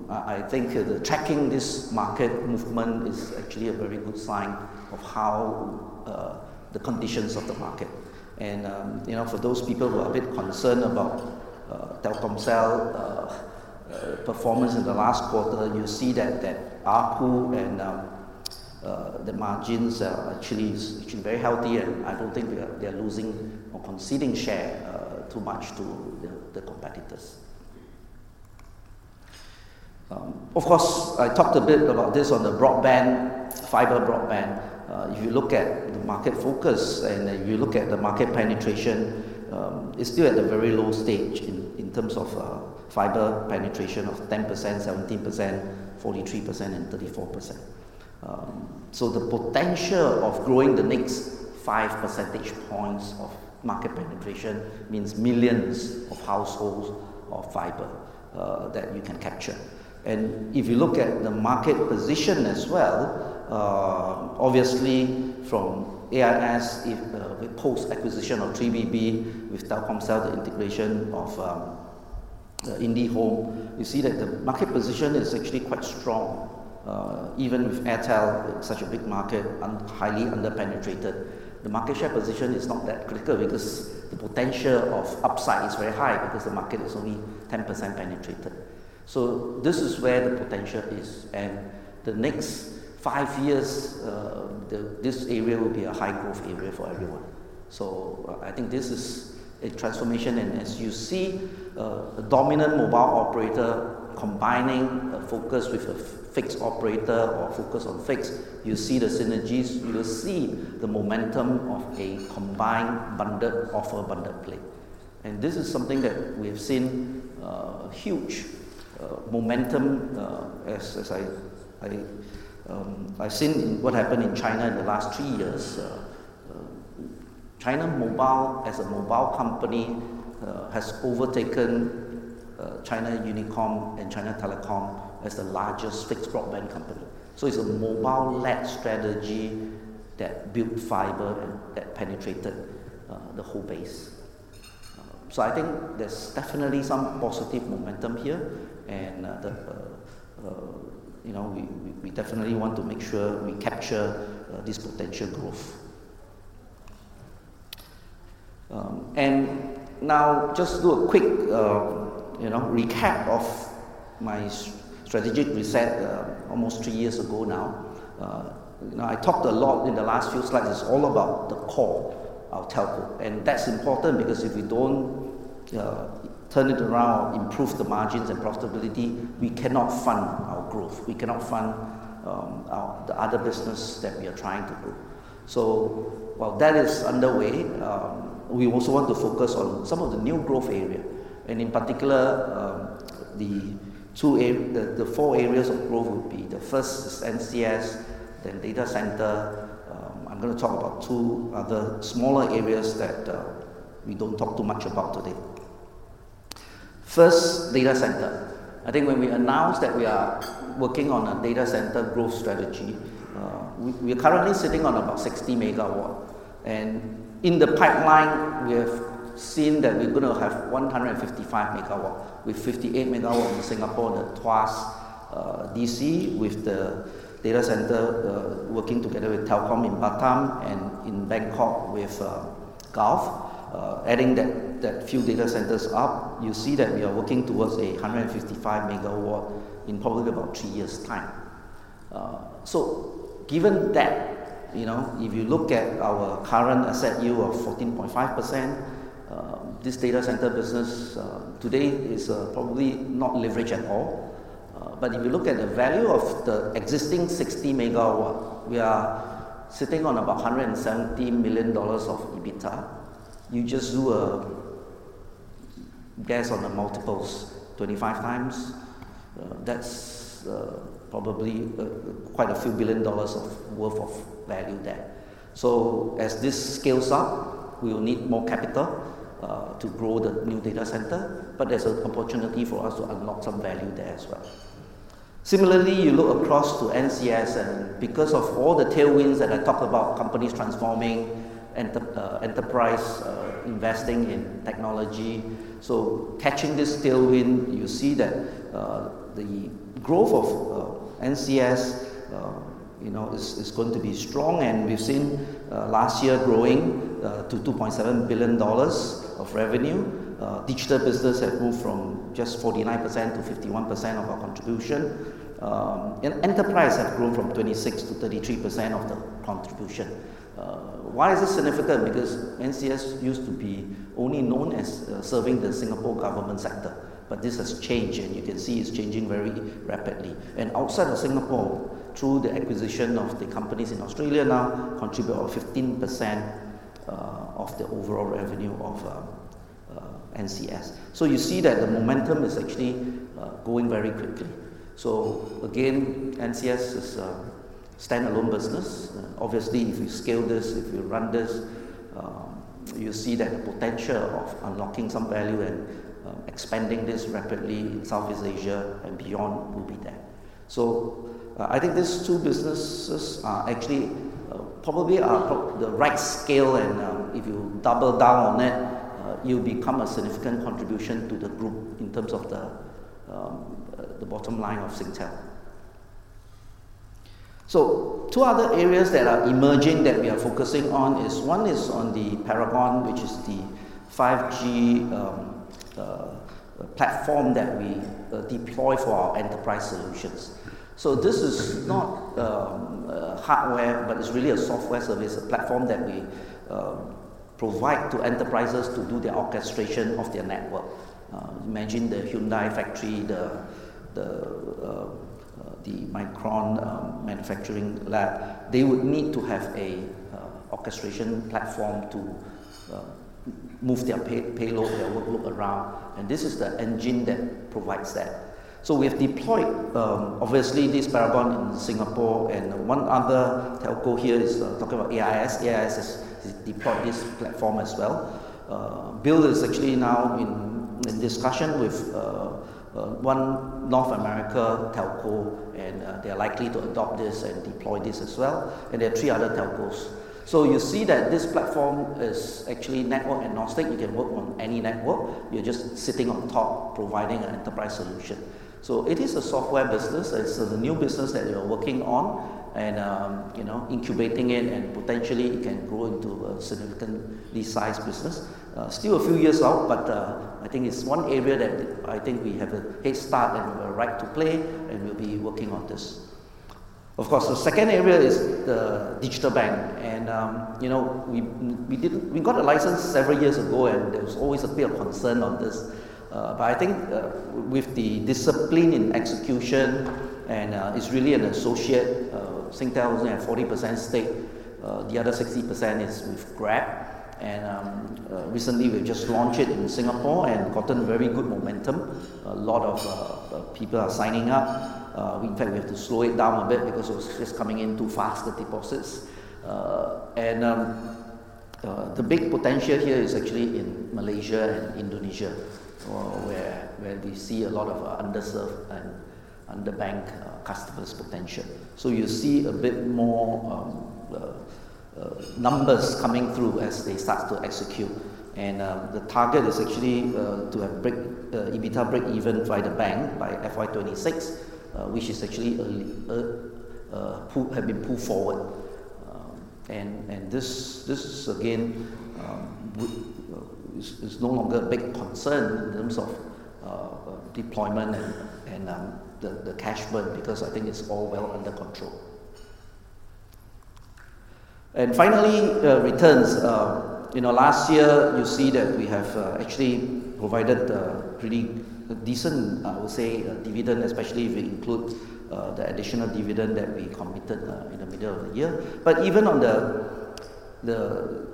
I think the checking this market movement is actually a very good sign of how the conditions of the market. You know, for those people who are a bit concerned about Telkomsel performance in the last quarter, you see that, that ARPU and the margins are actually is actually very healthy, and I don't think they're, they're losing or conceding share too much to the competitors. Of course, I talked a bit about this on the broadband, fiber broadband. If you look at the market focus and you look at the market penetration, it's still at a very low stage in, in terms of fiber penetration of 10%, 17%, 43%, and 34%. The potential of growing the next 5 percentage points of market penetration means millions of households of fiber that you can capture. If you look at the market position as well, obviously from AIS, if, with post-acquisition of Triple T Broadband, with Telkomsel, the integration of the IndiHome, you see that the market position is actually quite strong. Even with Airtel, such a big market and highly under-penetrated, the market share position is not that critical because the potential of upside is very high because the market is only 10% penetrated. This is where the potential is, and the next 5 years, this area will be a high-growth area for everyone. I, I think this is a transformation, and as you see, a dominant mobile operator combining a focus with a fixed operator or focus on fixed, you see the synergies, you will see the momentum of a combined bundled offer, bundled play. This is something that we have seen, huge momentum, as, as I, I, I've seen what happened in China in the last 3 years. China Mobile, as a mobile company, has overtaken China Unicom and China Telecom as the largest fixed broadband company. It's a mobile-led strategy that built fiber and that penetrated the whole base. I think there's definitely some positive momentum here, and, you know, we, we, we definitely want to make sure we capture this potential growth. Now just do a quick, you know, recap of my s- strategic reset, almost 3 years ago now. you know, I talked a lot in the last few slides, it's all about the core of Telco, and that's important because if we don't turn it around or improve the margins and profitability, we cannot fund our growth. We cannot fund our, the other business that we are trying to do. While that is underway, we also want to focus on some of the new growth area, and in particular, the two a-- the, the four areas of growth would be the first is NCS, then data center. I'm going to talk about two other smaller areas that we don't talk too much about today. First, data center. I think when we announced that we are working on a data center growth strategy, we, we are currently sitting on about 60 megawatt. In the pipeline, we have seen that we're going to have 155 megawatt, with 58 megawatt in Singapore, the Tuas DC, with the data center working together with Telkom in Batam and in Bangkok with Gulf. Adding that, that few data centers up, you see that we are working towards 155 megawatt in probably about 3 years' time. Given that, you know, if you look at our current asset yield of 14.5%, this data center business today is probably not leveraged at all. If you look at the value of the existing 60 megawatt, we are sitting on about $170 million of EBITDA. You just do a guess on the multiples, 25 times, that's probably quite a few billion dollars worth of value there. As this scales up, we will need more capital to grow the new data center, but there's an opportunity for us to unlock some value there as well. Similarly, you look across to NCS, because of all the tailwinds that I talked about, companies transforming, enterprise investing in technology. Catching this tailwind, you see that the growth of NCS, you know, is going to be strong, and we've seen last year growing to 2.7 billion dollars of revenue. Digital business have moved from just 49% to 51% of our contribution. Enterprise have grown from 26% to 33% of the contribution. Why is this significant? NCS used to be only known as serving the Singapore government sector, but this has changed, and you can see it's changing very rapidly. Outside of Singapore, through the acquisition of the companies in Australia now contribute about 15% of the overall revenue of NCS. You see that the momentum is actually going very quickly. Again, NCS is a standalone business. Obviously, if you scale this, if you run this, you see that the potential of unlocking some value and expanding this rapidly in Southeast Asia and beyond will be there. I think these two businesses are actually probably are the, the right scale, and if you double down on that, you'll become a significant contribution to the group in terms of the bottom line of Singtel. Two other areas that are emerging that we are focusing on is, one is on the Paragon, which is the 5G platform that we deploy for our enterprise solutions. This is not hardware, but it's really a software service, a platform that we provide to enterprises to do the orchestration of their network. Imagine the Hyundai factory, the, the Micron manufacturing lab, they would need to have a orchestration platform to move their payload, their workload around, and this is the engine that provides that. We have deployed, obviously this Paragon in Singapore, and one other telco here is talking about AIS. AIS has deployed this platform as well. Bill is actually now in discussion with one North America telco, and they are likely to adopt this and deploy this as well, and there are three other telcos. You see that this platform is actually network agnostic. It can work on any network. You're just sitting on top providing an enterprise solution. It is a software business. It's a new business that we are working on and, you know, incubating it, and potentially it can grow into a significantly sized business. Still a few years out, I think it's one area that I think we have a head start and a right to play, and we'll be working on this. Of course, the second area is the GXS Bank. You know, we got a license several years ago, and there was always a bit of concern on this. But I think, with the discipline in execution, it's really an associate. Singtel has a 40% stake, the other 60% is with Grab. Recently we've just launched it in Singapore and gotten very good momentum. A lot of people are signing up. In fact, we have to slow it down a bit because it was just coming in too fast, the deposits. The big potential here is actually in Malaysia and Indonesia, where we see a lot of underserved and underbanked customers potential. You see a bit more numbers coming through as they start to execute. The target is actually to have EBITDA break even by the bank by FY26, which is actually a pulled forward. And this, this again, is no longer a big concern in terms of deployment and the cash burn, because I think it's all well under control. Finally, returns. You know, last year, you see that we have actually provided a pretty decent, I would say, dividend, especially if it includes the additional dividend that we committed in the middle of the year. Even on the, the,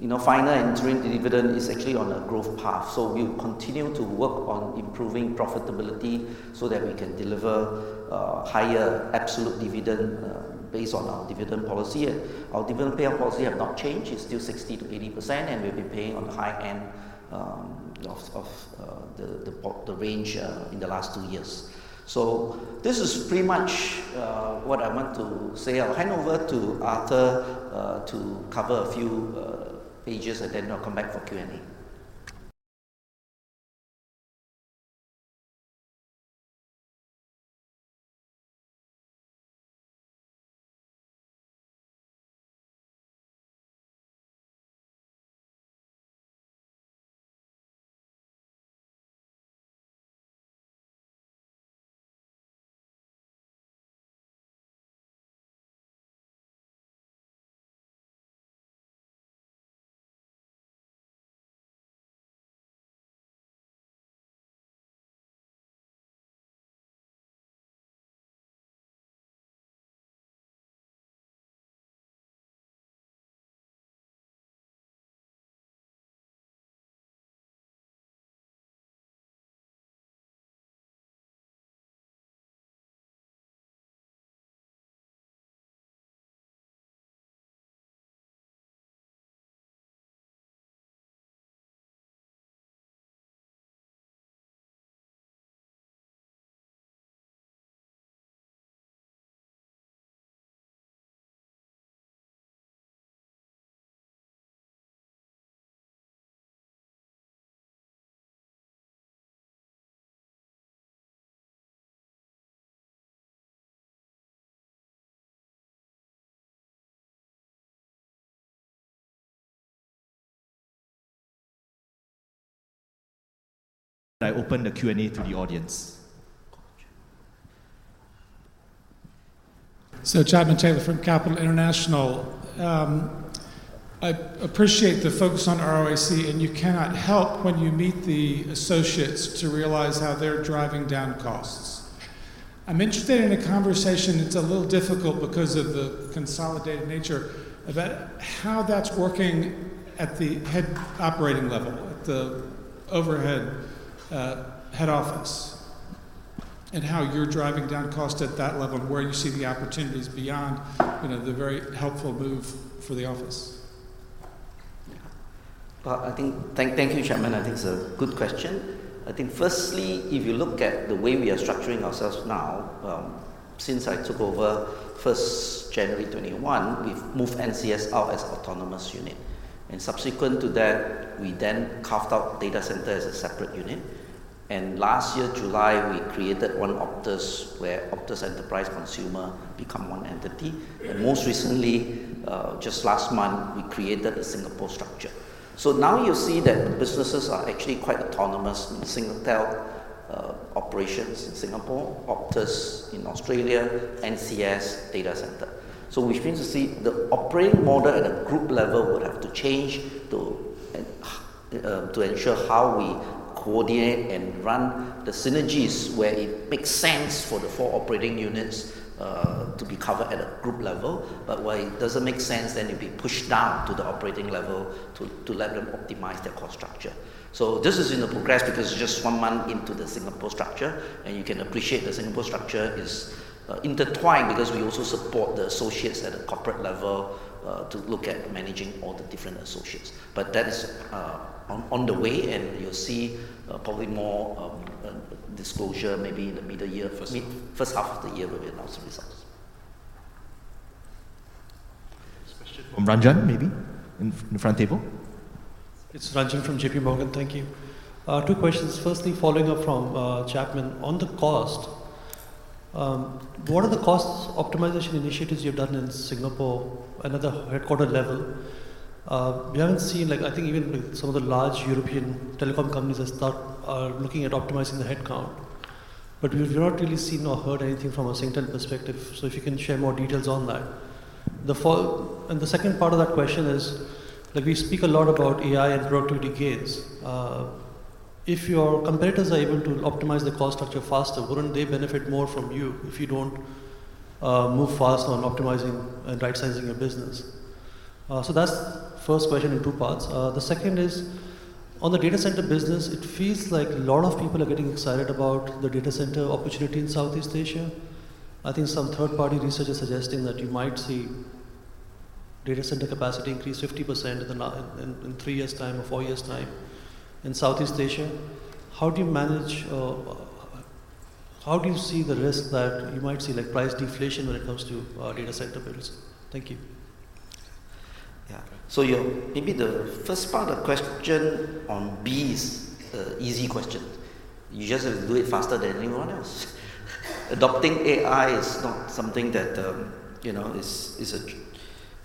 you know, final interim dividend is actually on a growth path. We'll continue to work on improving profitability so that we can deliver higher absolute dividend based on our dividend policy. Our dividend payout policy have not changed. It's still 60%-80%, and we'll be paying on the high end of the range in the last 2 years. This is pretty much what I want to say. I'll hand over to Arthur to cover a few pages, and then I'll come back for Q&A. Chapman Taylor from Capital International. I appreciate the focus on ROIC, and you cannot help when you meet the associates to realize how they're driving down costs. I'm interested in a conversation, it's a little difficult because of the consolidated nature, about how that's working at the head operating level, at the overhead, head office, and how you're driving down cost at that level, and where you see the opportunities beyond, you know, the very helpful move for the office. Yeah. Well, thank you, Chapman. I think it's a good question. I think firstly, if you look at the way we are structuring ourselves now, since I took over January 2021, we've moved NCS out as autonomous unit. Subsequent to that, we then carved out data center as a separate unit. Last year, July, we created one Optus, where Optus Enterprise Consumer become one entity. Most recently, just last month, we created a Singapore structure. Now you see that businesses are actually quite autonomous in Singtel, operations in Singapore, Optus in Australia, NCS data center. Which means to say, the operating model at a group level would have to change to ensure how we coordinate and run the synergies, where it makes sense for the four operating units to be covered at a group level. Where it doesn't make sense, then it'll be pushed down to the operating level to let them optimize their cost structure. This is in the progress because it's just one month into the Singapore structure, and you can appreciate the Singapore structure is intertwined because we also support the associates at a corporate level to look at managing all the different associates. That is on the way, and you'll see probably more disclosure maybe in the mid-year, first half of the year, we'll announce the results. Next question from Ranjan, maybe, in, in the front table. It's Ranjan from JP Morgan. Thank you. Two questions. Firstly, following up from Chapman. On the cost, what are the cost optimization initiatives you've done in Singapore and at the headquarter level? We haven't seen, like, I think even some of the large European telecom companies have are looking at optimizing the headcount, but we've not really seen or heard anything from a Singtel perspective. If you can share more details on that. The second part of that question is, like, we speak a lot about AI and productivity gains. If your competitors are able to optimize the cost structure faster, wouldn't they benefit more from you if you don't move fast on optimizing and right-sizing your business? That's first question in two parts. The second is, on the data center business, it feels like a lot of people are getting excited about the data center opportunity in Southeast Asia. I think some third-party research is suggesting that you might see data center capacity increase 50% in 3 years' time or 4 years' time in Southeast Asia. How do you manage, How do you see the risk that you might see, like, price deflation when it comes to data center business? Thank you. Yeah. Yeah, maybe the first part of the question on AI is an easy question. You just have to do it faster than anyone else. Adopting AI is not something that, you know, is, is a,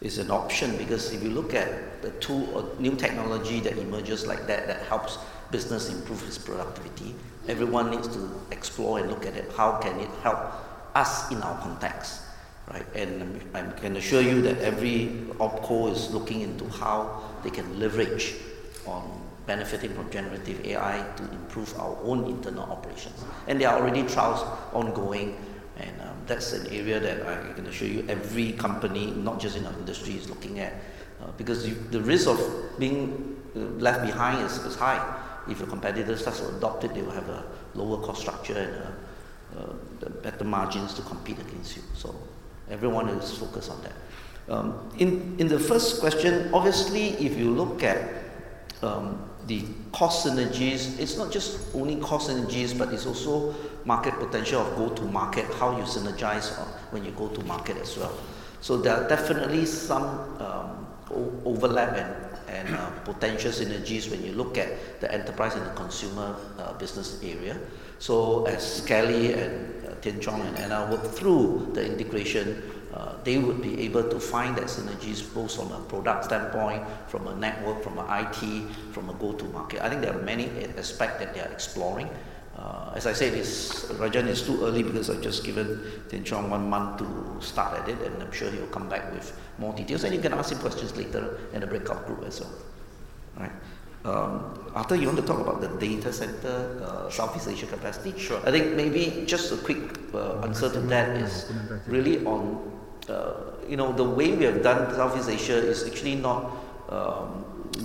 is an option, because if you look at the tool or new technology that emerges like that, that helps business improve its productivity, everyone needs to explore and look at it. How can it help us in our context, right? I'm, I can assure you that every OpCo is looking into how they can leverage on benefiting from generative AI to improve our own internal operations. There are already trials ongoing, and that's an area that I can assure you every company, not just in our industry, is looking at. Because the, the risk of being left behind is, is high. If your competitors start to adopt it, they will have a lower cost structure and better margins to compete against you. Everyone is focused on that. In, in the first question, obviously, if you look at the cost synergies, it's not just only cost synergies, but it's also market potential of go-to-market, how you synergize on when you go to market as well. There are definitely some overlap and potential synergies when you look at the enterprise and the consumer business area. As Kelly and Tian Chong and Anna work through the integration, they would be able to find that synergies both from a product standpoint, from a network, from a IT, from a go-to-market. I think there are many aspect that they are exploring. As I said, it's Ranjan, it's too early because I've just given Tian Chong one month to start at it, and I'm sure he will come back with more details. You can ask him questions later in the breakout group as well. Right. Arthur, you want to talk about the data center, Southeast Asia capacity? I think maybe just a quick, answer to that is really on, you know, the way we have done Southeast Asia is actually not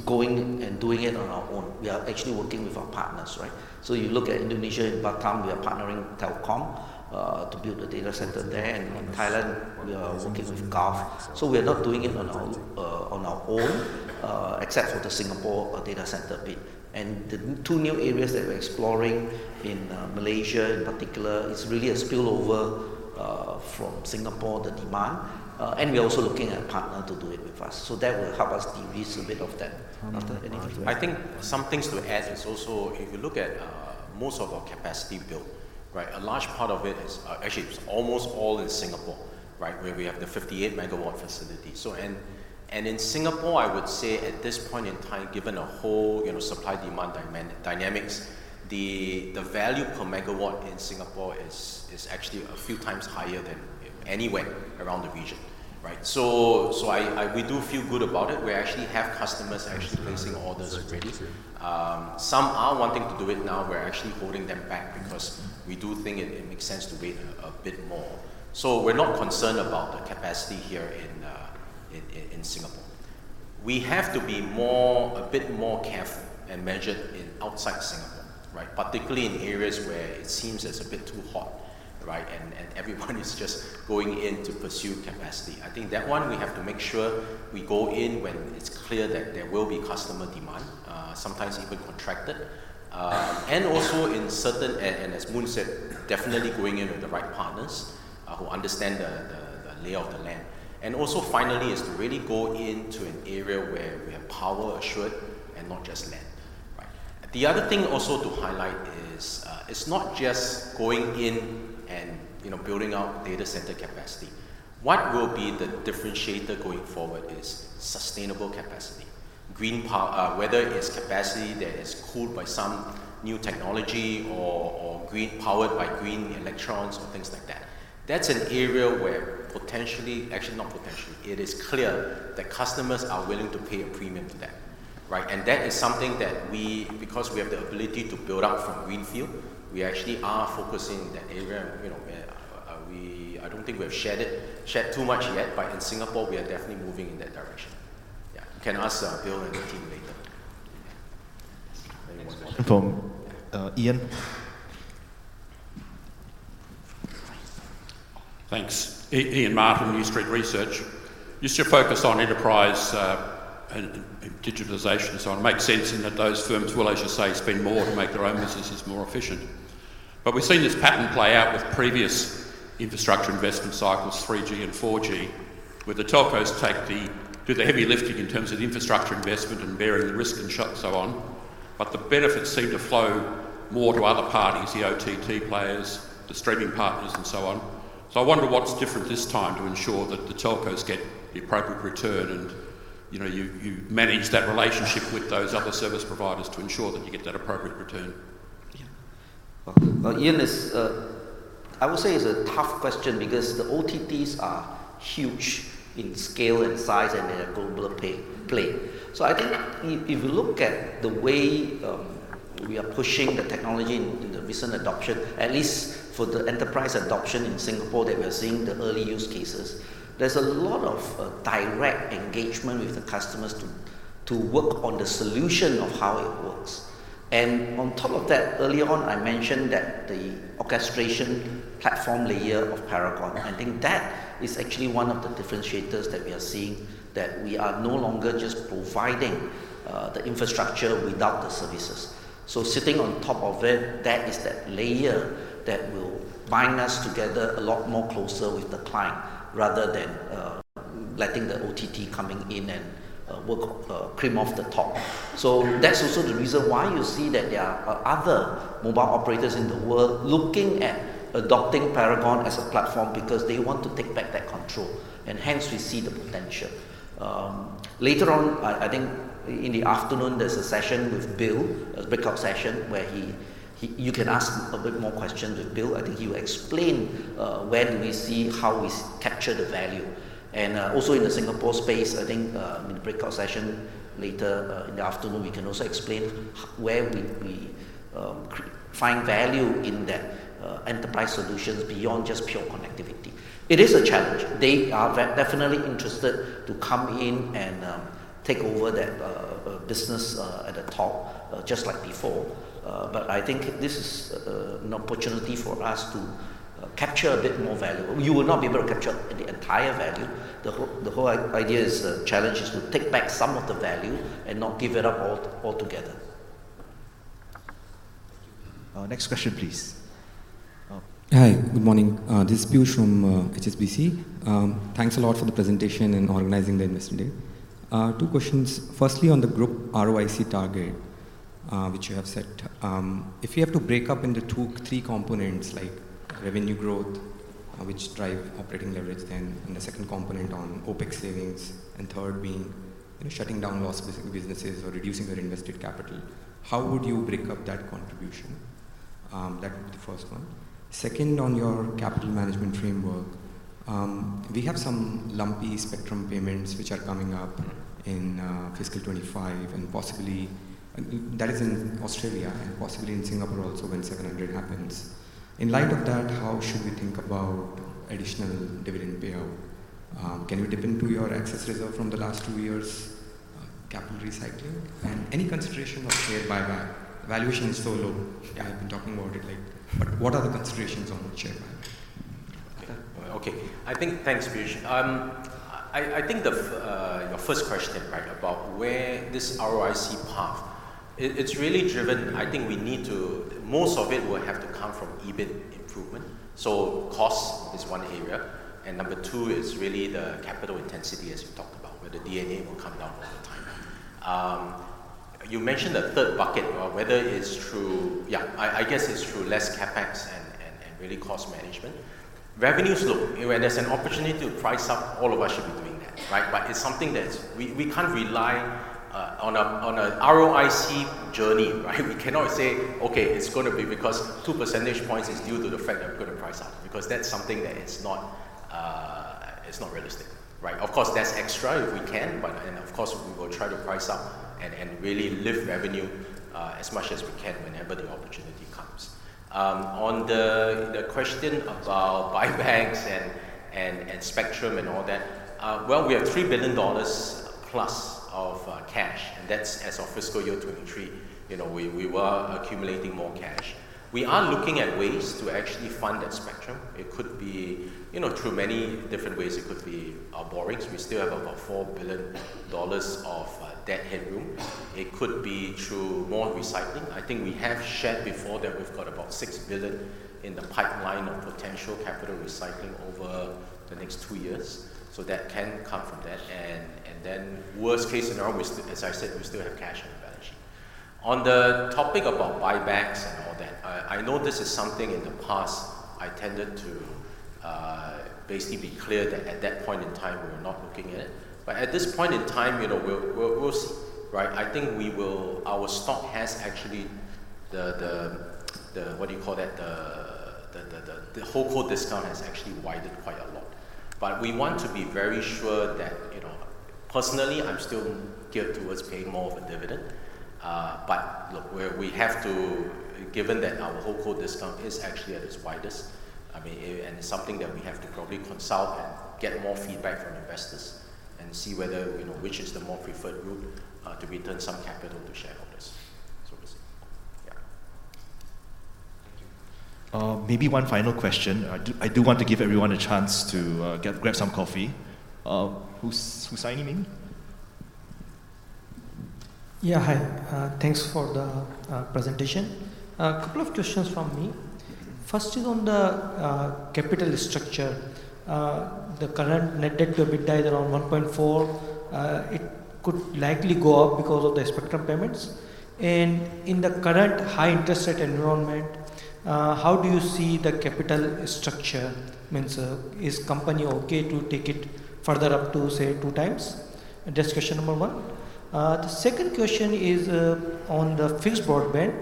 going and doing it on our own. We are actually working with our partners, right? You look at Indonesia, in Batam, we are partnering Telkom to build the data center there, and in Thailand, we are working with Gulf. We are not doing it on our on our own, except for the Singapore data center bit. The two new areas that we're exploring in Malaysia in particular, is really a spillover from Singapore, the demand, and we're also looking at a partner to do it with us. That will help us decrease a bit of that. Arthur, anything? I think some things to add is also, if you look at most of our capacity build, right? A large part of it is actually, it's almost all in Singapore, right, where we have the 58 megawatt facility. And in Singapore, I would say at this point in time, given the whole, you know, supply-demand dynamics, the value per megawatt in Singapore is actually a few times higher than anywhere around the region, right? We do feel good about it. We actually have customers actually placing orders already. Some are wanting to do it now. We're actually holding them back because we do think it, it makes sense to wait a bit more. We're not concerned about the capacity here in, in, in Singapore. We have to be more, a bit more careful and measured in outside Singapore, right? Particularly in areas where it seems it's a bit too hot, right? Everyone is just going in to pursue capacity. I think that one we have to make sure we go in when it's clear that there will be customer demand, sometimes even contracted. Also in certain-- and, and as Moon said, definitely going in with the right partners, who understand the, the, the lay of the land. Also finally is to really go into an area where we have power assured and not just land. Right. The other thing also to highlight is, it's not just going in and, you know, building out data center capacity. What will be the differentiator going forward is sustainable capacity. whether it is capacity that is cooled by some new technology or green-powered by green electrons or things like that. That's an area where potentially, actually, not potentially, it is clear that customers are willing to pay a premium for that, right? That is something that we, because we have the ability to build out from greenfield, we actually are focusing in that area. You know, I don't think we have shared it, shared too much yet, but in Singapore, we are definitely moving in that direction. Yeah, you can ask, Bill and the team later. Thank you. Ian? Thanks. Ian Martin, New Street Research. Just to focus on enterprise and digitization. It makes sense in that those firms will, as you say, spend more to make their own businesses more efficient. We've seen this pattern play out with previous infrastructure investment cycles, 3G and 4G, where the telcos take do the heavy lifting in terms of infrastructure investment and bearing the risk and so on. The benefits seem to flow more to other parties, the OTT players, the streaming partners, and so on. I wonder what's different this time to ensure that the telcos get the appropriate return, and, you know, you, you manage that relationship with those other service providers to ensure that you get that appropriate return. Yeah. Well, well, Ian, this, I would say is a tough question because the OTTs are huge in scale and size, and they're a global play, play. I think if, if you look at the way, we are pushing the technology in the recent adoption, at least for the enterprise adoption in Singapore, that we are seeing the early use cases, there's a lot of direct engagement with the customers to, to work on the solution of how it works. On top of that, early on, I mentioned that the orchestration platform layer of Paragon, I think that is actually one of the differentiators that we are seeing, that we are no longer just providing the infrastructure without the services. Sitting on top of it, that is that layer that will bind us together a lot more closer with the client, rather than letting the OTT coming in and work cream off the top. That's also the reason why you see that there are other mobile operators in the world looking at adopting Paragon as a platform, because they want to take back that control, and hence we see the potential. Later on, I, I think in the afternoon, there's a session with Bill, a breakout session, where You can ask a bit more questions with Bill. I think he will explain where do we see how we capture the value. Also in the Singapore space, I think, in the breakout session later, in the afternoon, we can also explain where we find value in that enterprise solutions beyond just pure connectivity. It is a challenge. They are definitely interested to come in and take over that business at the top, just like before. I think this is an opportunity for us to capture a bit more value. You will not be able to capture the entire value. The whole, the whole idea is, challenge is to take back some of the value and not give it up all altogether. Thank you. Next question, please. Hi, good morning. This is Piyush from HSBC. Thanks a lot for the presentation and organizing the Investor Day. Two questions. Firstly, on the group ROIC target, which you have set. If you have to break up into two, three components like revenue growth, which drive operating leverage, then in the second component on OpEx savings, and third being, you know, shutting down loss specific businesses or reducing your invested capital, how would you break up that contribution? That would be the first one. Second, on your capital management framework, we have some lumpy spectrum payments, which are coming up in fiscal year 2025, and possibly, that is in Australia and possibly in Singapore also when 700 MHz happens. In light of that, how should we think about additional dividend payout? Can you dip into your excess reserve from the last 2 years, capital recycling? Any consideration of share buyback? Valuation is so low. I've been talking about it lately, but what are the considerations on share buyback? Okay. Thanks, Piyush. I think your first question, right, about where this ROIC path, it's really driven, I think we need to most of it will have to come from EBIT improvement. Cost is one area, and number two is really the capital intensity, as we talked about, where the D&A will come down over time. You mentioned the third bucket, whether it's through I guess it's through less CapEx and really cost management. Revenues look, where there's an opportunity to price up, all of us should be doing that, right? It's something that we, we can't rely, on a, on a ROIC journey, right? We cannot say, "Okay, it's going to be because 2 percentage points is due to the fact that we put a price up," because that's something that is not, it's not realistic, right? Of course, that's extra if we can, but and of course, we will try to price up and, and really lift revenue as much as we can whenever the opportunity comes. On the question about buybacks and, and, and spectrum and all that, well, we have $3 billion plus of cash, and that's as of Fiscal Year 2023. You know, we, we were accumulating more cash. We are looking at ways to actually fund that spectrum. It could be, you know, through many different ways. It could be our borrowings. We still have about $4 billion of debt headroom. It could be through more recycling. I think we have shared before that we've got about $6 billion in the pipeline of potential capital recycling over the next 2 years, so that can come from that. Then worst case scenario, as I said, we still have cash on the balance sheet. On the topic about buybacks and all that, I know this is something in the past I tended to basically be clear that at that point in time, we were not looking at it. At this point in time, you know, we'll, we'll, we'll see, right? I think Our stock has actually the, the, the, what do you call that? The, the, the HoldCo discount has actually widened quite a lot. We want to be very sure that, you know, personally, I'm still geared towards paying more of a dividend. Look, we, we have to, given that our HoldCo discount is actually at its widest, it's something that we have to probably consult and get more feedback from investors and see whether which is the more preferred route to return some capital to shareholders. So to say. Thank you. Maybe one final question. I do, I do want to give everyone a chance to grab some coffee. Hussaini, maybe? Yeah, hi. Thanks for the presentation. A couple of questions from me. First is on the capital structure. The current net debt to EBITDA is around 1.4. It could likely go up because of the spectrum payments. In the current high interest rate environment, how do you see the capital structure? Means, is company okay to take it further up to, say, 2 times? That's question number 1. The second question is on the fixed broadband,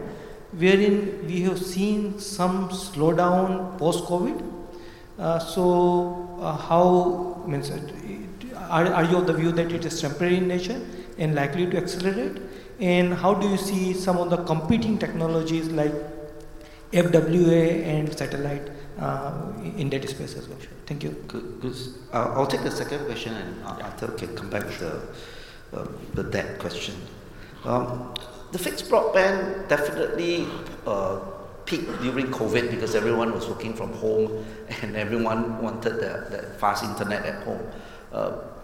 wherein we have seen some slowdown post-COVID. Means, are you of the view that it is temporary in nature and likely to accelerate? How do you see some of the competing technologies like FWA and satellite in that space as well? Thank you. Good. Good. I'll take the second question, and I'll can come back to the the debt question. The fixed broadband definitely peaked during COVID because everyone was working from home and everyone wanted the the fast internet at home.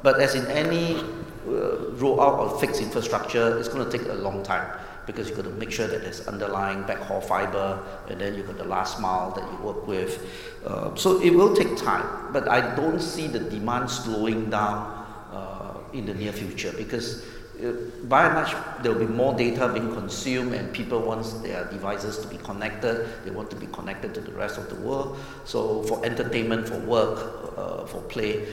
As in any roll out of fixed infrastructure, it's going to take a long time because you've got to make sure that there's underlying backhaul fiber, and then you've got the last mile that you work with. It will take time, but I don't see the demand slowing down in the near future, because by and large, there will be more data being consumed, and people want their devices to be connected. They want to be connected to the rest of the world, so for entertainment, for work, for play.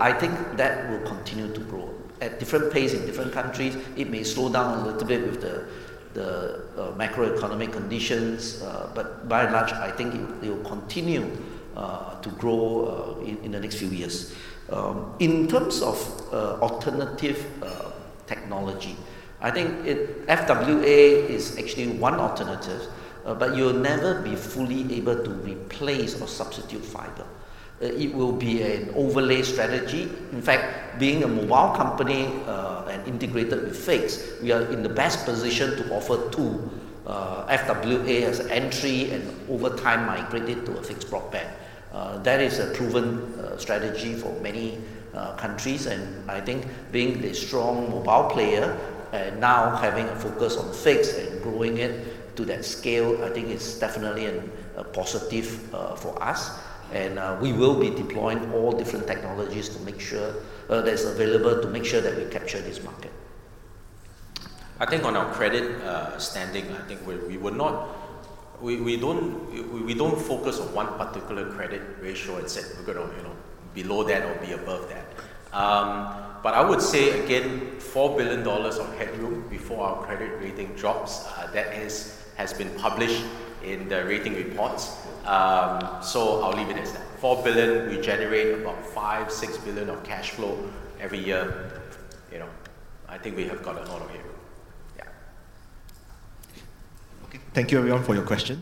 I think that will continue to grow. At different pace in different countries, it may slow down a little bit with the, the macroeconomic conditions, but by and large, I think it will continue to grow in, in the next few years. In terms of alternative technology, FWA is actually one alternative, but you'll never be fully able to replace or substitute fiber. It will be an overlay strategy. In fact, being a mobile company, and integrated with fixed, we are in the best position to offer two FWA as an entry and over time migrate it to a fixed broadband. That is a proven strategy for many countries, and I think being the strong mobile player and now having a focus on fixed and growing it to that scale, I think it's definitely an, a positive for us. We will be deploying all different technologies to make sure that's available, to make sure that we capture this market. I think on our credit standing, I think we don't, we don't focus on one particular credit ratio and say, we're going to, you know, below that or be above that. I would say again, $4 billion of headroom before our credit rating drops, that is, has been published in the rating reports. I'll leave it as that. $4 billion, we generate about $5 billion-$6 billion of cash flow every year. You know, I think we have got a lot of headroom. Yeah. Okay. Thank you, everyone, for your questions.